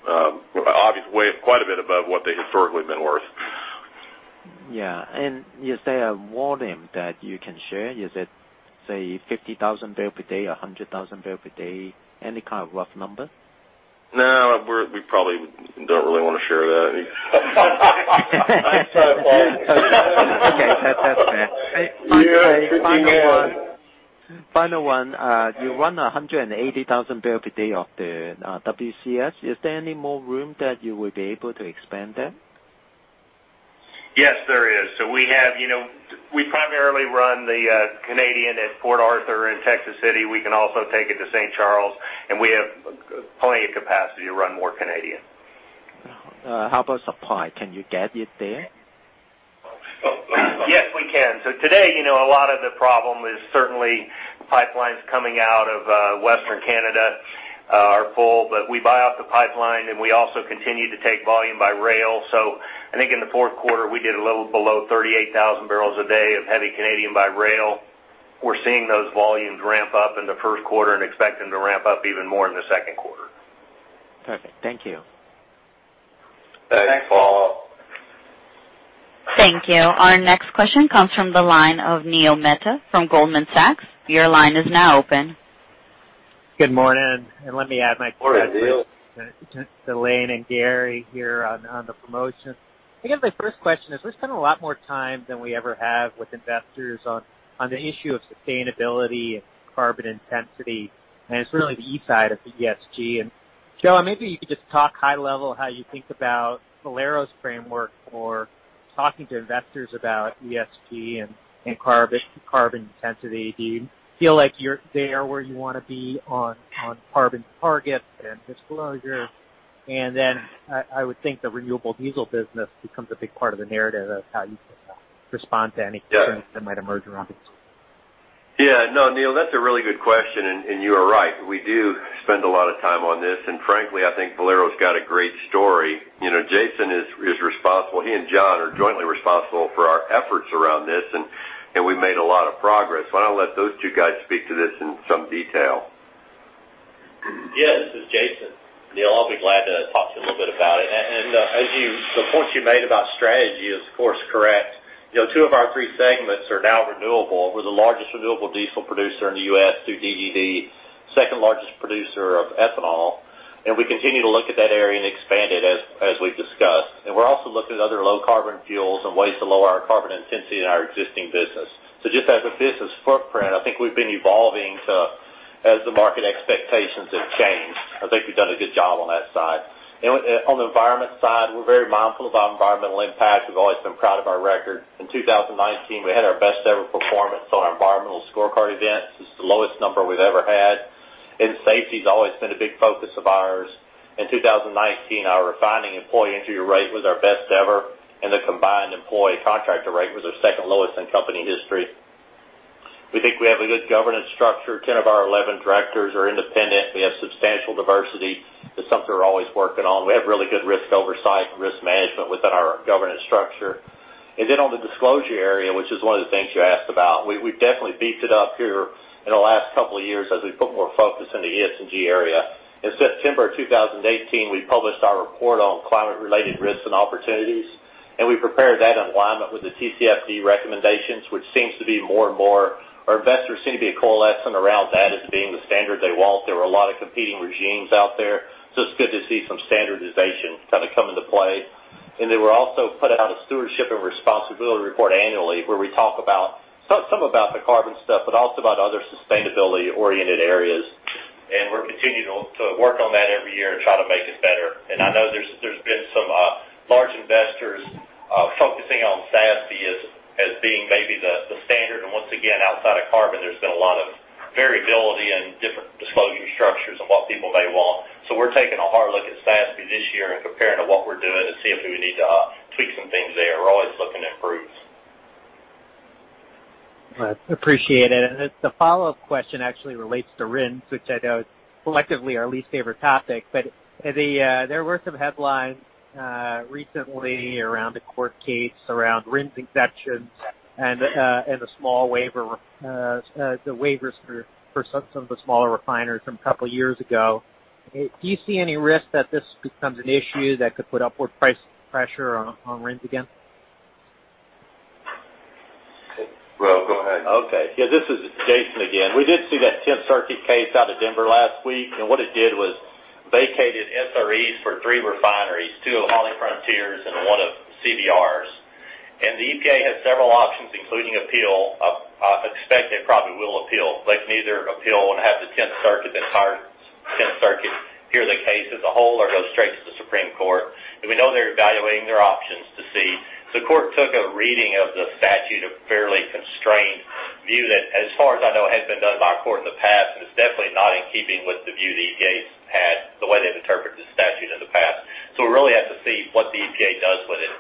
resids at quite a bit above what they historically have been worth. Yeah. Is there a volume that you can share? Is it, say, 50,000 bpd or 100,000 bpd? Any kind of rough number? No, we probably don't really want to share that. Okay. That's fair. Final one. You run 180,000 bpd of the WCS. Is there any more room that you will be able to expand them? Yes, there is. We primarily run the Canadian at Port Arthur and Texas City. We can also take it to St. Charles, and we have plenty of capacity to run more Canadian. How about supply? Can you get it there? Yes, we can. Today, a lot of the problem is certainly pipelines coming out of Western Canada are full. We buy off the pipeline, and we also continue to take volume by rail. I think in the fourth quarter, we did a little below 38,000 bpd of heavy Canadian by rail. We're seeing those volumes ramp up in the first quarter and expect them to ramp up even more in the second quarter. Perfect. Thank you. Thanks, Paul. Thank you. Our next question comes from the line of Neil Mehta from Goldman Sachs. Your line is now open. Good morning, let me add. Good morning, Neil. to Lane and Gary here on the promotion. I guess my first question is, we're spending a lot more time than we ever have with investors on the issue of sustainability and carbon intensity, and it's really the E side of the ESG. Joe, maybe you could just talk high level how you think about Valero's framework for talking to investors about ESG and carbon intensity. Do you feel like you're there where you want to be on carbon targets and disclosure? I would think the renewable diesel business becomes a big part of the narrative of how you respond to any concerns that might emerge around it. Yeah. No, Neil, that's a really good question, and you are right. We do spend a lot of time on this, and frankly, I think Valero's got a great story. Jason is responsible. He and John are jointly responsible for our efforts around this, and we've made a lot of progress. Why don't I let those two guys speak to this in some detail? Yeah, this is Jason. Neil, I'll be glad to talk to you a little bit about it. The point you made about strategy is, of course, correct. Two of our three segments are now renewable. We're the largest renewable diesel producer in the U.S. through DGD, second largest producer of ethanol, and we continue to look at that area and expand it as we've discussed. We're also looking at other low carbon fuels and ways to lower our carbon intensity in our existing business. Just as a business footprint, I think we've been evolving as the market expectations have changed. I think we've done a good job on that side. On the environment side, we're very mindful of our environmental impact. We've always been proud of our record. In 2019, we had our best ever performance on our environmental scorecard event. This is the lowest number we've ever had. Safety has always been a big focus of ours. In 2019, our refining employee injury rate was our best ever, and the combined employee contractor rate was our second lowest in company history. We think we have a good governance structure. 10 of our 11 directors are independent. We have substantial diversity. That's something we're always working on. We have really good risk oversight and risk management within our governance structure. On the disclosure area, which is one of the things you asked about, we've definitely beefed it up here in the last couple of years as we put more focus in the ESG area. In September of 2018, we published our report on climate-related risks and opportunities, and we prepared that in alignment with the TCFD recommendations, which seems to be more and more. Our investors seem to be coalescing around that as being the standard they want. There were a lot of competing regimes out there. It's good to see some standardization come into play. We also put out a stewardship and responsibility report annually where we talk some about the carbon stuff, but also about other sustainability-oriented areas. We're continuing to work on that every year and try to make it better. I know there's been some large investors focusing on SASB as being maybe the standard. Once again, outside of carbon, there's been a lot of variability in different disclosure structures and what people may want. We're taking a hard look at SASB this year and comparing to what we're doing to see if we need to tweak some things there. We're always looking to improve. Appreciate it. The follow-up question actually relates to RINs, which I know is collectively our least favorite topic. There were some headlines recently around a court case, around RINs exemptions, and the waivers for some of the smaller refineries from a couple of years ago. Do you see any risk that this becomes an issue that could put upward price pressure on RINs again? Jason, go ahead. Yeah, this is Jason again. We did see that Tenth Circuit case out of Denver last week, what it did was vacated SREs for three refineries, two of HollyFrontier's and one of CVR's. The EPA has several options, including appeal. I expect it probably will appeal. They can either appeal and have the Tenth Circuit, the entire Tenth Circuit hear the case as a whole or go straight to the Supreme Court. We know they're evaluating their options to see. The court took a reading of the statute, a fairly constrained view that, as far as I know, hasn't been done by a court in the past, and it's definitely not in keeping with the view the EPA's had, the way they've interpreted the statute in the past. We really have to see what the EPA does with it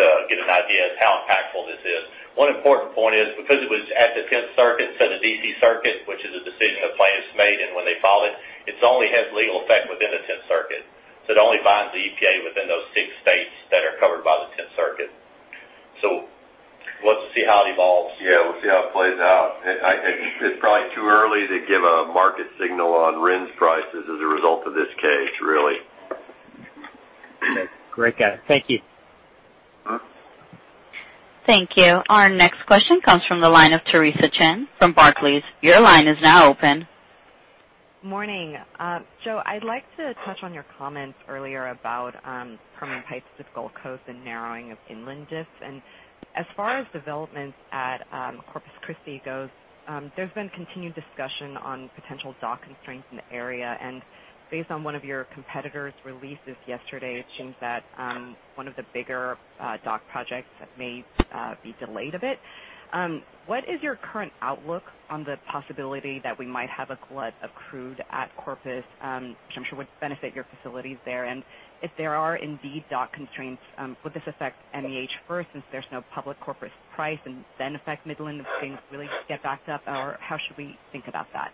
to get an idea of how impactful this is. One important point is because it was at the Tenth Circuit instead of D.C. Circuit, which is a decision the plaintiffs made and when they filed it only has legal effect within the Tenth Circuit. It only binds the EPA within those six states that are covered by the Tenth Circuit. We'll have to see how it evolves. Yeah, we'll see how it plays out. It's probably too early to give a market signal on RINs prices as a result of this case, really. Great. Got it. Thank you. Thank you. Our next question comes from the line of Theresa Chen from Barclays. Your line is now open. Morning. Joe, I'd like to touch on your comments earlier about Permian pipes to the Gulf Coast and narrowing of inland diffs. As far as developments at Corpus Christi goes, there's been continued discussion on potential dock constraints in the area. Based on one of your competitors' releases yesterday, it seems that one of the bigger dock projects may be delayed a bit. What is your current outlook on the possibility that we might have a glut of crude at Corpus, which I'm sure would benefit your facilities there. If there are indeed dock constraints, would this affect MEH first since there's no public Corpus price and then affect Midland if things really get backed up? How should we think about that?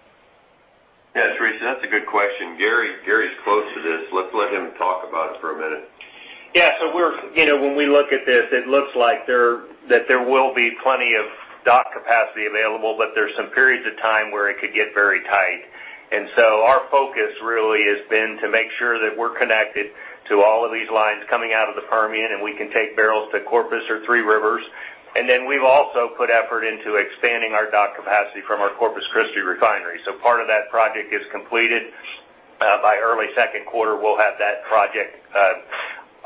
Theresa, that's a good question. Gary's close to this. Let's let him talk about it for a minute. Yeah. When we look at this, it looks like that there will be plenty of dock capacity available, but there's some periods of time where it could get very tight. Our focus really has been to make sure that we're connected to all of these lines coming out of the Permian, and we can take barrels to Corpus or Three Rivers. We've also put effort into expanding our dock capacity from our Corpus Christi refinery. Part of that project is completed. By early second quarter, we'll have that project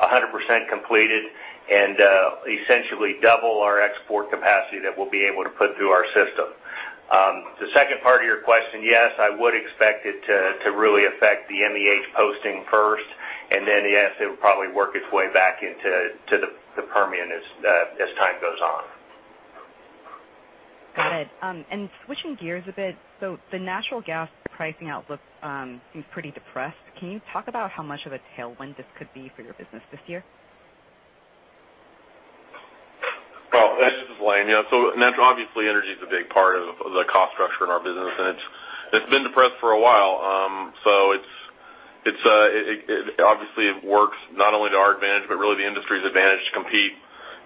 100% completed and essentially double our export capacity that we'll be able to put through our system. The second part of your question, yes, I would expect it to really affect the MEH posting first, yes, it would probably work its way back into the Permian as time goes on. Got it. Switching gears a bit, the natural gas pricing outlook seems pretty depressed. Can you talk about how much of a tailwind this could be for your business this year? Well, this is Lane. Obviously, energy is a big part of the cost structure in our business, and it's been depressed for a while. Obviously, it works not only to our advantage, but really the industry's advantage to compete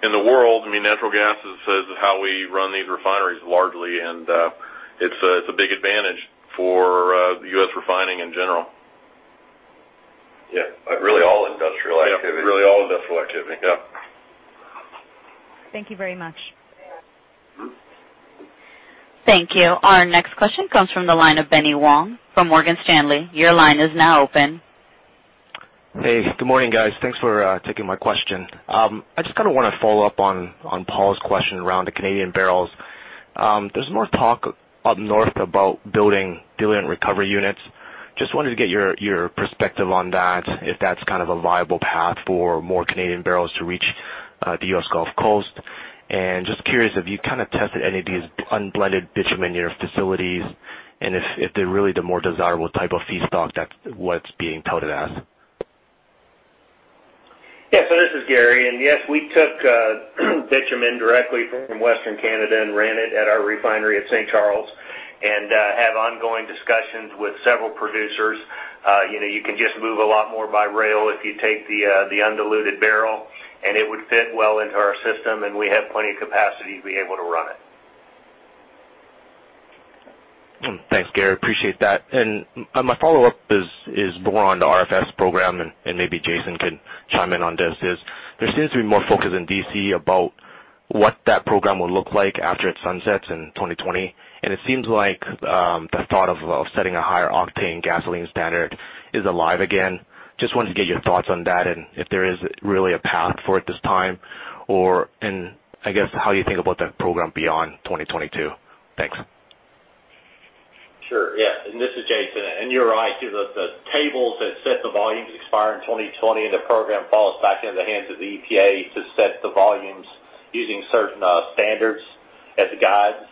in the world. Natural gas is how we run these refineries largely, and it's a big advantage for U.S. refining in general. Yeah. Really all industrial activity. Yeah. Really all industrial activity. Yeah. Thank you very much. Thank you. Our next question comes from the line of Benny Wong from Morgan Stanley. Your line is now open. Hey, good morning, guys. Thanks for taking my question. I just want to follow up on Paul's question around the Canadian barrels. There's more talk up north about building diluent recovery units. Just wanted to get your perspective on that, if that's a viable path for more Canadian barrels to reach the U.S. Gulf Coast. Just curious if you've tested any of these unblended bitumen in your facilities, and if they're really the more desirable type of feedstock that's what's being touted as. Yeah. This is Gary. Yes, we took bitumen directly from Western Canada and ran it at our refinery at St. Charles and have ongoing discussions with several producers. You can just move a lot more by rail if you take the undiluted barrel, and it would fit well into our system, and we have plenty of capacity to be able to run it. Thanks, Gary. Appreciate that. My follow-up is more on the RFS program, and maybe Jason can chime in on this, is there seems to be more focus in D.C. about. What that program will look like after it sunsets in 2020. It seems like the thought of setting a higher octane gasoline standard is alive again. Just wanted to get your thoughts on that, if there is really a path for it this time, or I guess how you think about that program beyond 2022. Thanks. Sure, yeah. This is Jason. You're right, the tables that set the volumes expire in 2020, and the program falls back into the hands of the EPA to set the volumes using certain standards as guides.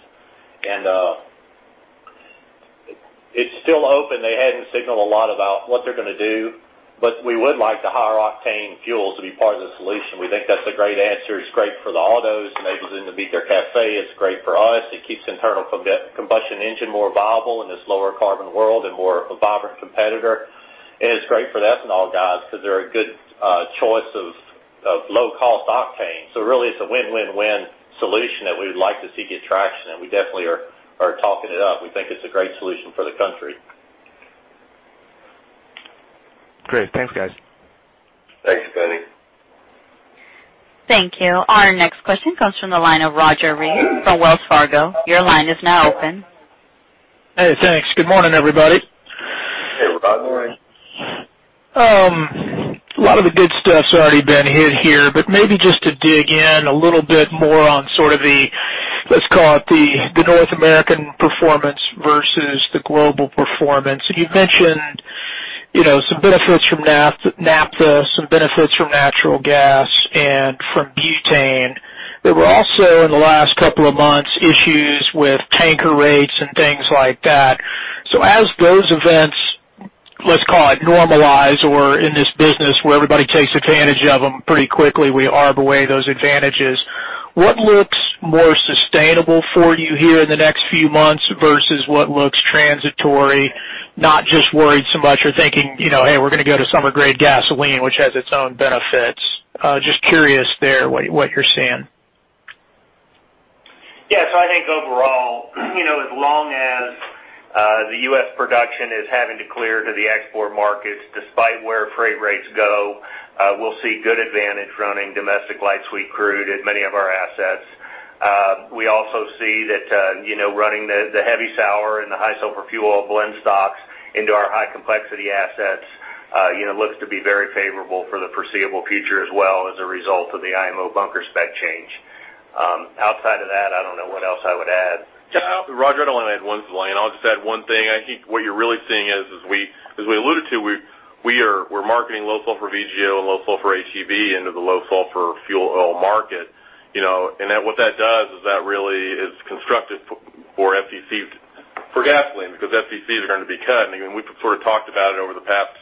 It's still open. They hadn't signaled a lot about what they're going to do, but we would like the higher octane fuels to be part of the solution. We think that's a great answer. It's great for the autos, enables them to meet their CAFE. It's great for us. It keeps internal combustion engine more viable in this lower carbon world and more a vibrant competitor. It's great for the ethanol guys because they're a good choice of low-cost octane. Really, it's a win-win-win solution that we would like to see get traction, and we definitely are talking it up. We think it's a great solution for the country. Great. Thanks, guys. Thanks, Benny. Thank you. Our next question comes from the line of Roger Read from Wells Fargo. Your line is now open. Hey, thanks. Good morning, everybody. Hey, Roger. Good morning. A lot of the good stuff's already been hit here, maybe just to dig in a little bit more on sort of the, let's call it the North American performance versus the global performance. You mentioned some benefits from naphtha, some benefits from natural gas and from butane. There were also, in the last couple of months, issues with tanker rates and things like that. As those events, let's call it normalize, or in this business, where everybody takes advantage of them pretty quickly, we hog away those advantages. What looks more sustainable for you here in the next few months versus what looks transitory? Not just worried so much or thinking, "Hey, we're going to go to summer-grade gasoline," which has its own benefits. Just curious there, what you're seeing. Yeah. I think overall, as long as the U.S. production is having to clear to the export markets despite where freight rates go, we'll see good advantage running domestic light sweet crude at many of our assets. We also see that running the heavy sour and the high sulfur fuel blend stocks into our high complexity assets looks to be very favorable for the foreseeable future as well as a result of the IMO bunker spec change. Outside of that, I don't know what else I would add. Roger, I want to add one to Lane. I'll just add one thing. I think what you're really seeing is, as we alluded to, we're marketing low sulfur VGO and low sulfur [ATB] into the low sulfur fuel oil market. What that does is that really is constructive for gasoline because FCCs are going to be cutting. We sort of talked about it over the past,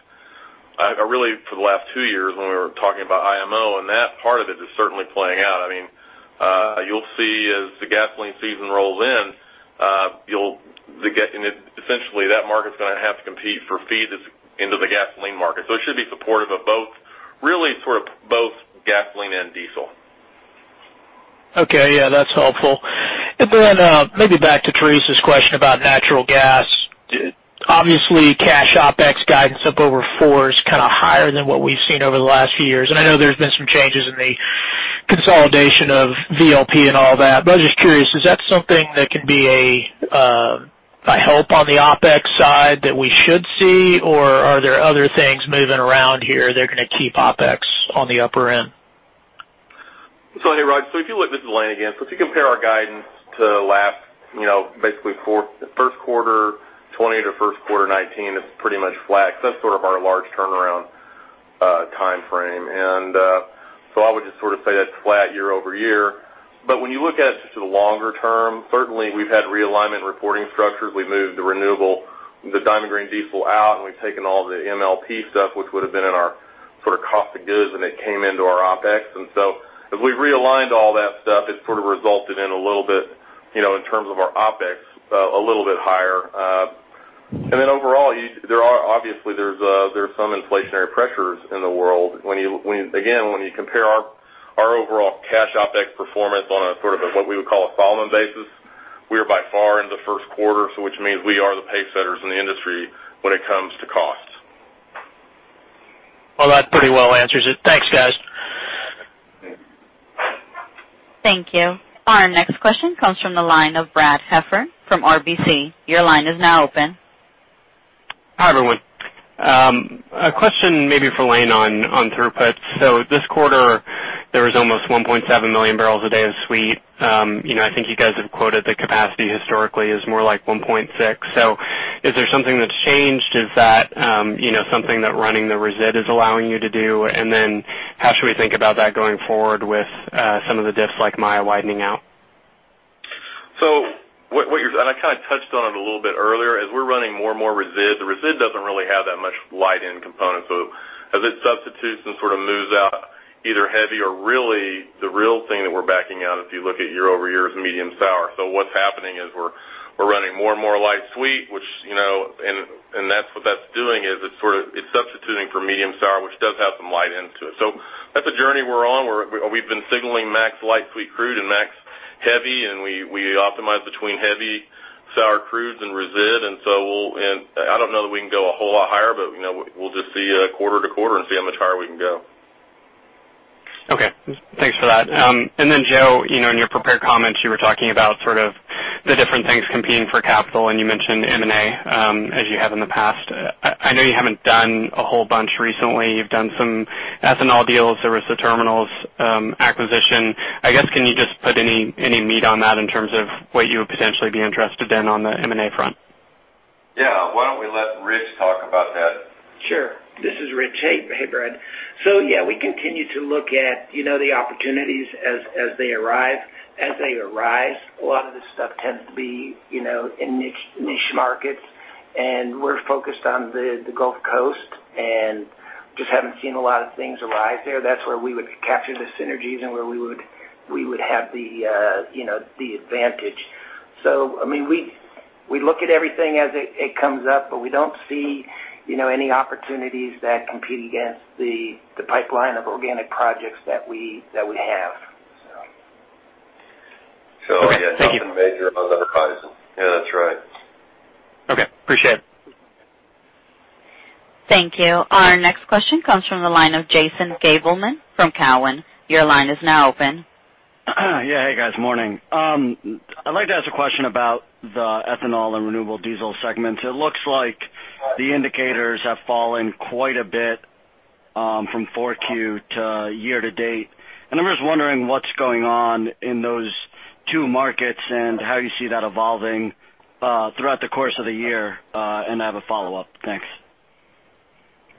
really for the last two years when we were talking about IMO, and that part of it is certainly playing out. You'll see as the gasoline season rolls in, essentially that market's going to have to compete for feed into the gasoline market. It should be supportive of both gasoline and diesel. Okay. Yeah, that's helpful. Maybe back to Theresa's question about natural gas. Obviously, cash OpEx guidance up over four is higher than what we've seen over the last few years. I know there's been some changes in the consolidation of VLP and all that. I was just curious, is that something that can be a help on the OpEx side that we should see? Are there other things moving around here that are going to keep OpEx on the upper end? Anyway, Roger, this is Lane again. If you compare our guidance to last basically first quarter 2020 to first quarter 2019, it's pretty much flat because that's sort of our large turnaround timeframe. I would just say that's flat year-over-year. When you look at it just to the longer term, certainly we've had realignment reporting structures. We moved the renewable, the Diamond Green Diesel out. We've taken all the MLP stuff, which would've been in our cost of goods, and it came into our OpEx. As we've realigned all that stuff, it sort of resulted in a little bit, in terms of our OpEx, a little bit higher. Overall, obviously there's some inflationary pressures in the world. When you compare our overall cash OpEx performance on a sort of what we would call a Solomon basis, we are by far in the first quarter, so which means we are the pacesetters in the industry when it comes to costs. Well, that pretty well answers it. Thanks, guys. Thank you. Our next question comes from the line of Brad Heffern from RBC. Your line is now open. Hi, everyone. A question maybe for Lane on throughput. This quarter, there was almost 1.7 million bpd of sweet. I think you guys have quoted the capacity historically as more like 1.6 million bpd. Is there something that's changed? Is that something that running the resid is allowing you to do? How should we think about that going forward with some of the diffs like Maya widening out? I kind of touched on it a little bit earlier, as we're running more and more resid. The resid doesn't really have that much light-end component. As it substitutes and sort of moves out either heavy or really the real thing that we're backing out, if you look at year-over-year, is medium sour. What's happening is we're running more and more light sweet, and what that's doing is it's substituting for medium sour, which does have some light end to it. That's a journey we're on, where we've been signaling max light sweet crude and max. heavy and we optimize between heavy sour crudes and resid. I don't know that we can go a whole lot higher, but we'll just see quarter-to-quarter and see how much higher we can go. Okay. Thanks for that. Joe, in your prepared comments, you were talking about sort of the different things competing for capital, and you mentioned M&A as you have in the past. I know you haven't done a whole bunch recently. You've done some ethanol deals. There was the terminals acquisition. Can you just put any meat on that in terms of what you would potentially be interested in on the M&A front? Yeah. Why don't we let Rich talk about that? Sure. This is Rich. Hey, Brad. Yeah, we continue to look at the opportunities as they arise. A lot of this stuff tends to be in niche markets, and we're focused on the Gulf Coast and just haven't seen a lot of things arise there. That's where we would capture the synergies and where we would have the advantage. We look at everything as it comes up, but we don't see any opportunities that compete against the pipeline of organic projects that we have. Yeah. Thank you. Nothing major on the horizon. Yeah, that's right. Okay. Appreciate it. Thank you. Our next question comes from the line of Jason Gabelman from Cowen. Your line is now open. Yeah. Hey, guys. Morning. I'd like to ask a question about the ethanol and renewable diesel segments. It looks like the indicators have fallen quite a bit from 4Q to year-to-date. I'm just wondering what's going on in those two markets and how you see that evolving throughout the course of the year. I have a follow-up. Thanks.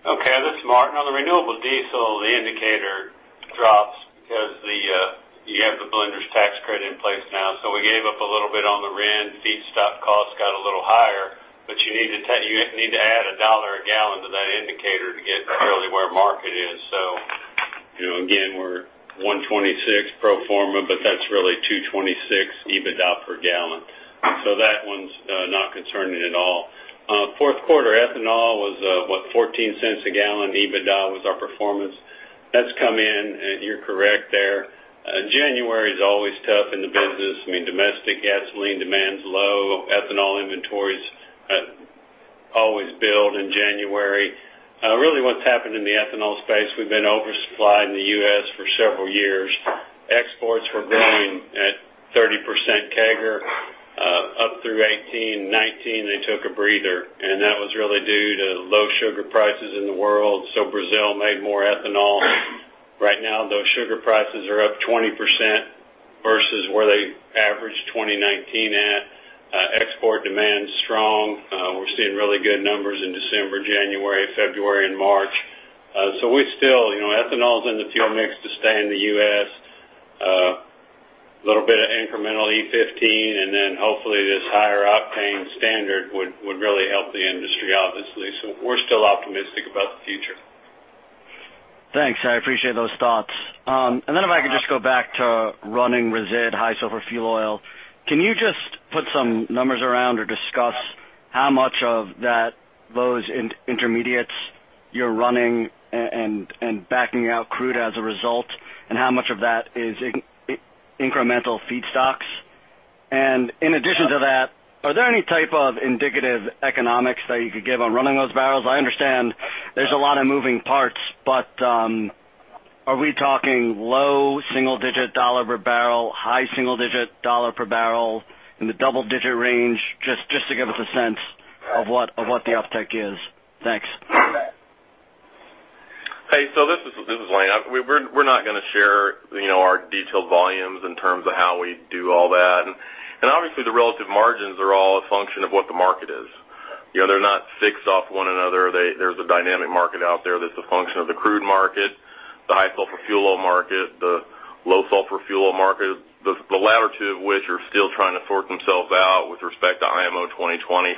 Okay, this is Martin. On the renewable diesel, the indicator drops because you have the blender's tax credit in place now. We gave up a little bit on the RIN. Feedstock costs got a little higher, but you need to add $1 a gallon to that indicator to get really where market is. Again, we're $1.26 pro forma, but that's really $2.26 EBITDA per gallon. That one's not concerning at all. Fourth quarter ethanol was, what, $0.14 a gallon EBITDA was our performance. That's come in, and you're correct there. January's always tough in the business. Domestic gasoline demand's low. Ethanol inventories always build in January. Really what's happened in the ethanol space, we've been oversupplied in the U.S. for several years. Exports were growing at 30% CAGR up through 2018. 2019, they took a breather. That was really due to low sugar prices in the world. Brazil made more ethanol. Right now, those sugar prices are up 20% versus where they averaged 2019 at. Export demand's strong. We're seeing really good numbers in December, January, February and March. Ethanol's in the fuel mix to stay in the U.S. A little bit of incremental E15. Hopefully this higher octane standard would really help the industry, obviously. We're still optimistic about the future. Thanks. I appreciate those thoughts. If I could just go back to running resid high sulfur fuel oil. Can you just put some numbers around or discuss how much of those intermediates you're running and backing out crude as a result, and how much of that is incremental feedstocks? In addition to that, are there any type of indicative economics that you could give on running those barrels? I understand there's a lot of moving parts, are we talking low single-digit dollar per barrel, high single-digit dollar per barrel, in the double-digit range? Just to give us a sense of what the uptick is. Thanks. Hey, this is Lane. We're not going to share our detailed volumes in terms of how we do all that. Obviously the relative margins are all a function of what the market is. They're not fixed off one another. There's a dynamic market out there that's a function of the crude market, the high sulfur fuel oil market, the low sulfur fuel oil market. The latter two of which are still trying to sort themselves out with respect to IMO 2020.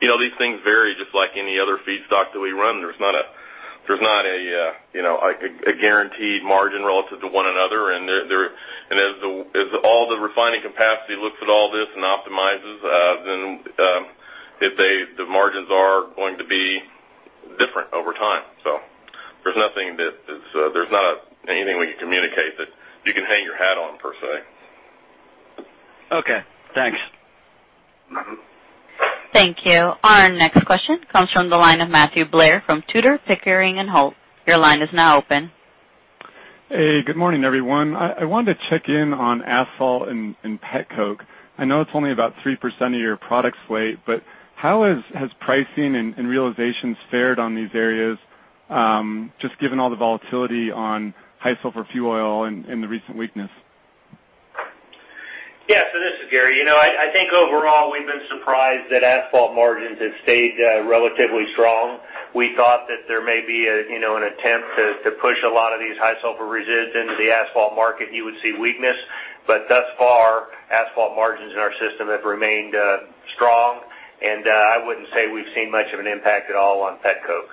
These things vary just like any other feedstock that we run. There's not a guaranteed margin relative to one another. As all the refining capacity looks at all this and optimizes, then the margins are going to be different over time. There's not anything we can communicate that you can hang your hat on per se. Okay, thanks. Thank you. Our next question comes from the line of Matthew Blair from Tudor, Pickering, Holt & Co. Your line is now open. Hey, good morning, everyone. I wanted to check in on asphalt and petcoke. I know it's only about 3% of your products weight. How has pricing and realizations fared on these areas, just given all the volatility on high sulfur fuel oil and the recent weakness? This is Gary. I think overall we've been surprised that asphalt margins have stayed relatively strong. We thought that there may be an attempt to push a lot of these high sulfur resid into the asphalt market, and you would see weakness. Thus far, asphalt margins in our system have remained strong, and I wouldn't say we've seen much of an impact at all on petcoke.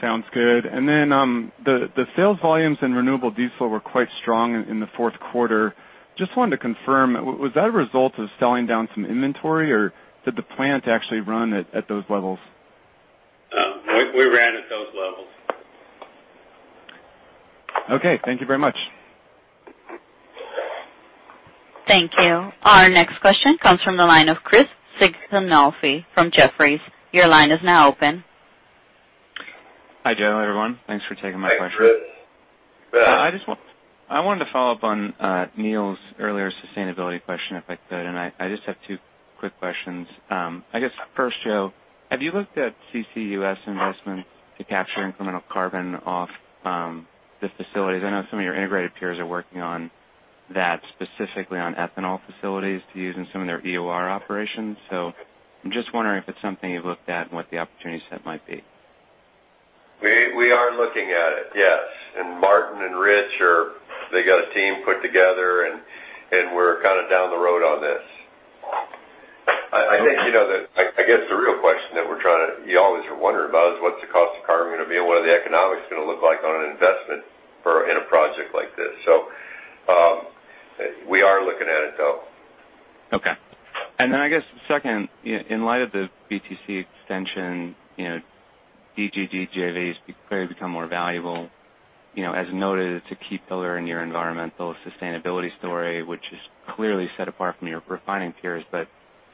Sounds good. The sales volumes in renewable diesel were quite strong in the fourth quarter. Just wanted to confirm, was that a result of selling down some inventory, or did the plant actually run at those levels? We ran at those levels. Okay, thank you very much. Thank you. Our next question comes from the line of Chris Sighinolfi from Jefferies. Your line is now open. Hi, Joe, everyone. Thanks for taking my question. Hi, Chris. I wanted to follow up on Neil's earlier sustainability question, if I could, and I just have two quick questions. I guess first, Joe, have you looked at CCUS investment to capture incremental carbon off the facilities? I know some of your integrated peers are working on that, specifically on ethanol facilities to use in some of their EOR operations. I'm just wondering if it's something you've looked at and what the opportunity set might be. We are looking at it. Yes. Martin and Rich, they got a team put together, and we're down the road on this. Okay. I guess the real question that you always are wondering about is what's the cost of carbon going to be and what are the economics going to look like on an investment in a project like this? We are looking at it, though. Okay. I guess second, in light of the BTC extension, DGD JVs clearly become more valuable. As noted, it's a key pillar in your environmental sustainability story, which is clearly set apart from your refining peers.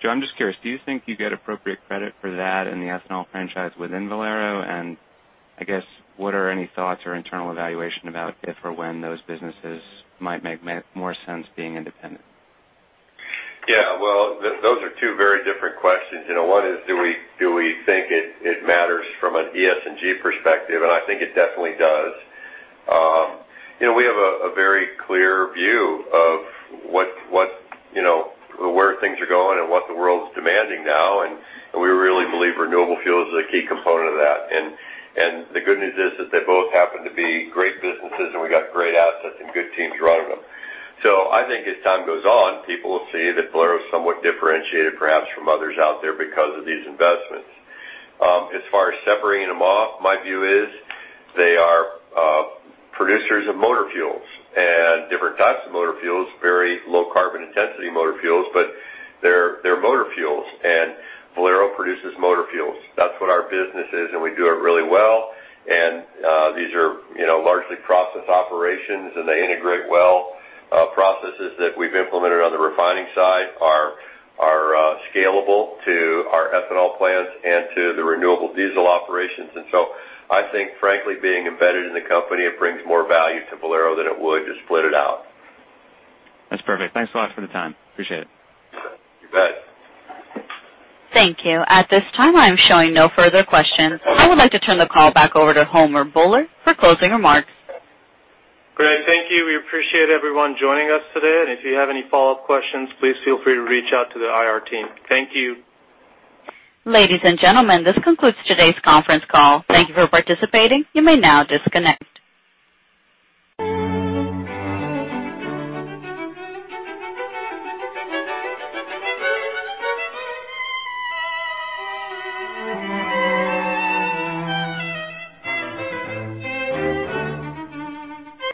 Joe, I'm just curious, do you think you get appropriate credit for that and the ethanol franchise within Valero? I guess what are any thoughts or internal evaluation about if or when those businesses might make more sense being independent? Yeah. Well, those are two very different questions. One is, do we think it matters from an ESG perspective? I think it definitely does. We have a very clear view of where things are going and what the world's demanding now, and we really believe renewable fuel is a key component of that. The good news is that they both happen to be great businesses, and we got great assets and good teams running them. I think as time goes on, people will see that Valero is somewhat differentiated, perhaps from others out there because of these investments. As far as separating them off, my view is they are producers of motor fuels and different types of motor fuels, very low carbon intensity motor fuels, but they're motor fuels, and Valero produces motor fuels. That's what our business is, and we do it really well. These are largely process operations, and they integrate well. Processes that we've implemented on the refining side are scalable to our ethanol plants and to the renewable diesel operations. I think, frankly, being embedded in the company, it brings more value to Valero than it would to split it out. That's perfect. Thanks a lot for the time. Appreciate it. You bet. Thank you. At this time, I am showing no further questions. I would like to turn the call back over to Homer Bhullar for closing remarks. Great. Thank you. We appreciate everyone joining us today. If you have any follow-up questions, please feel free to reach out to the IR team. Thank you. Ladies and gentlemen, this concludes today's conference call. Thank you for participating. You may now disconnect.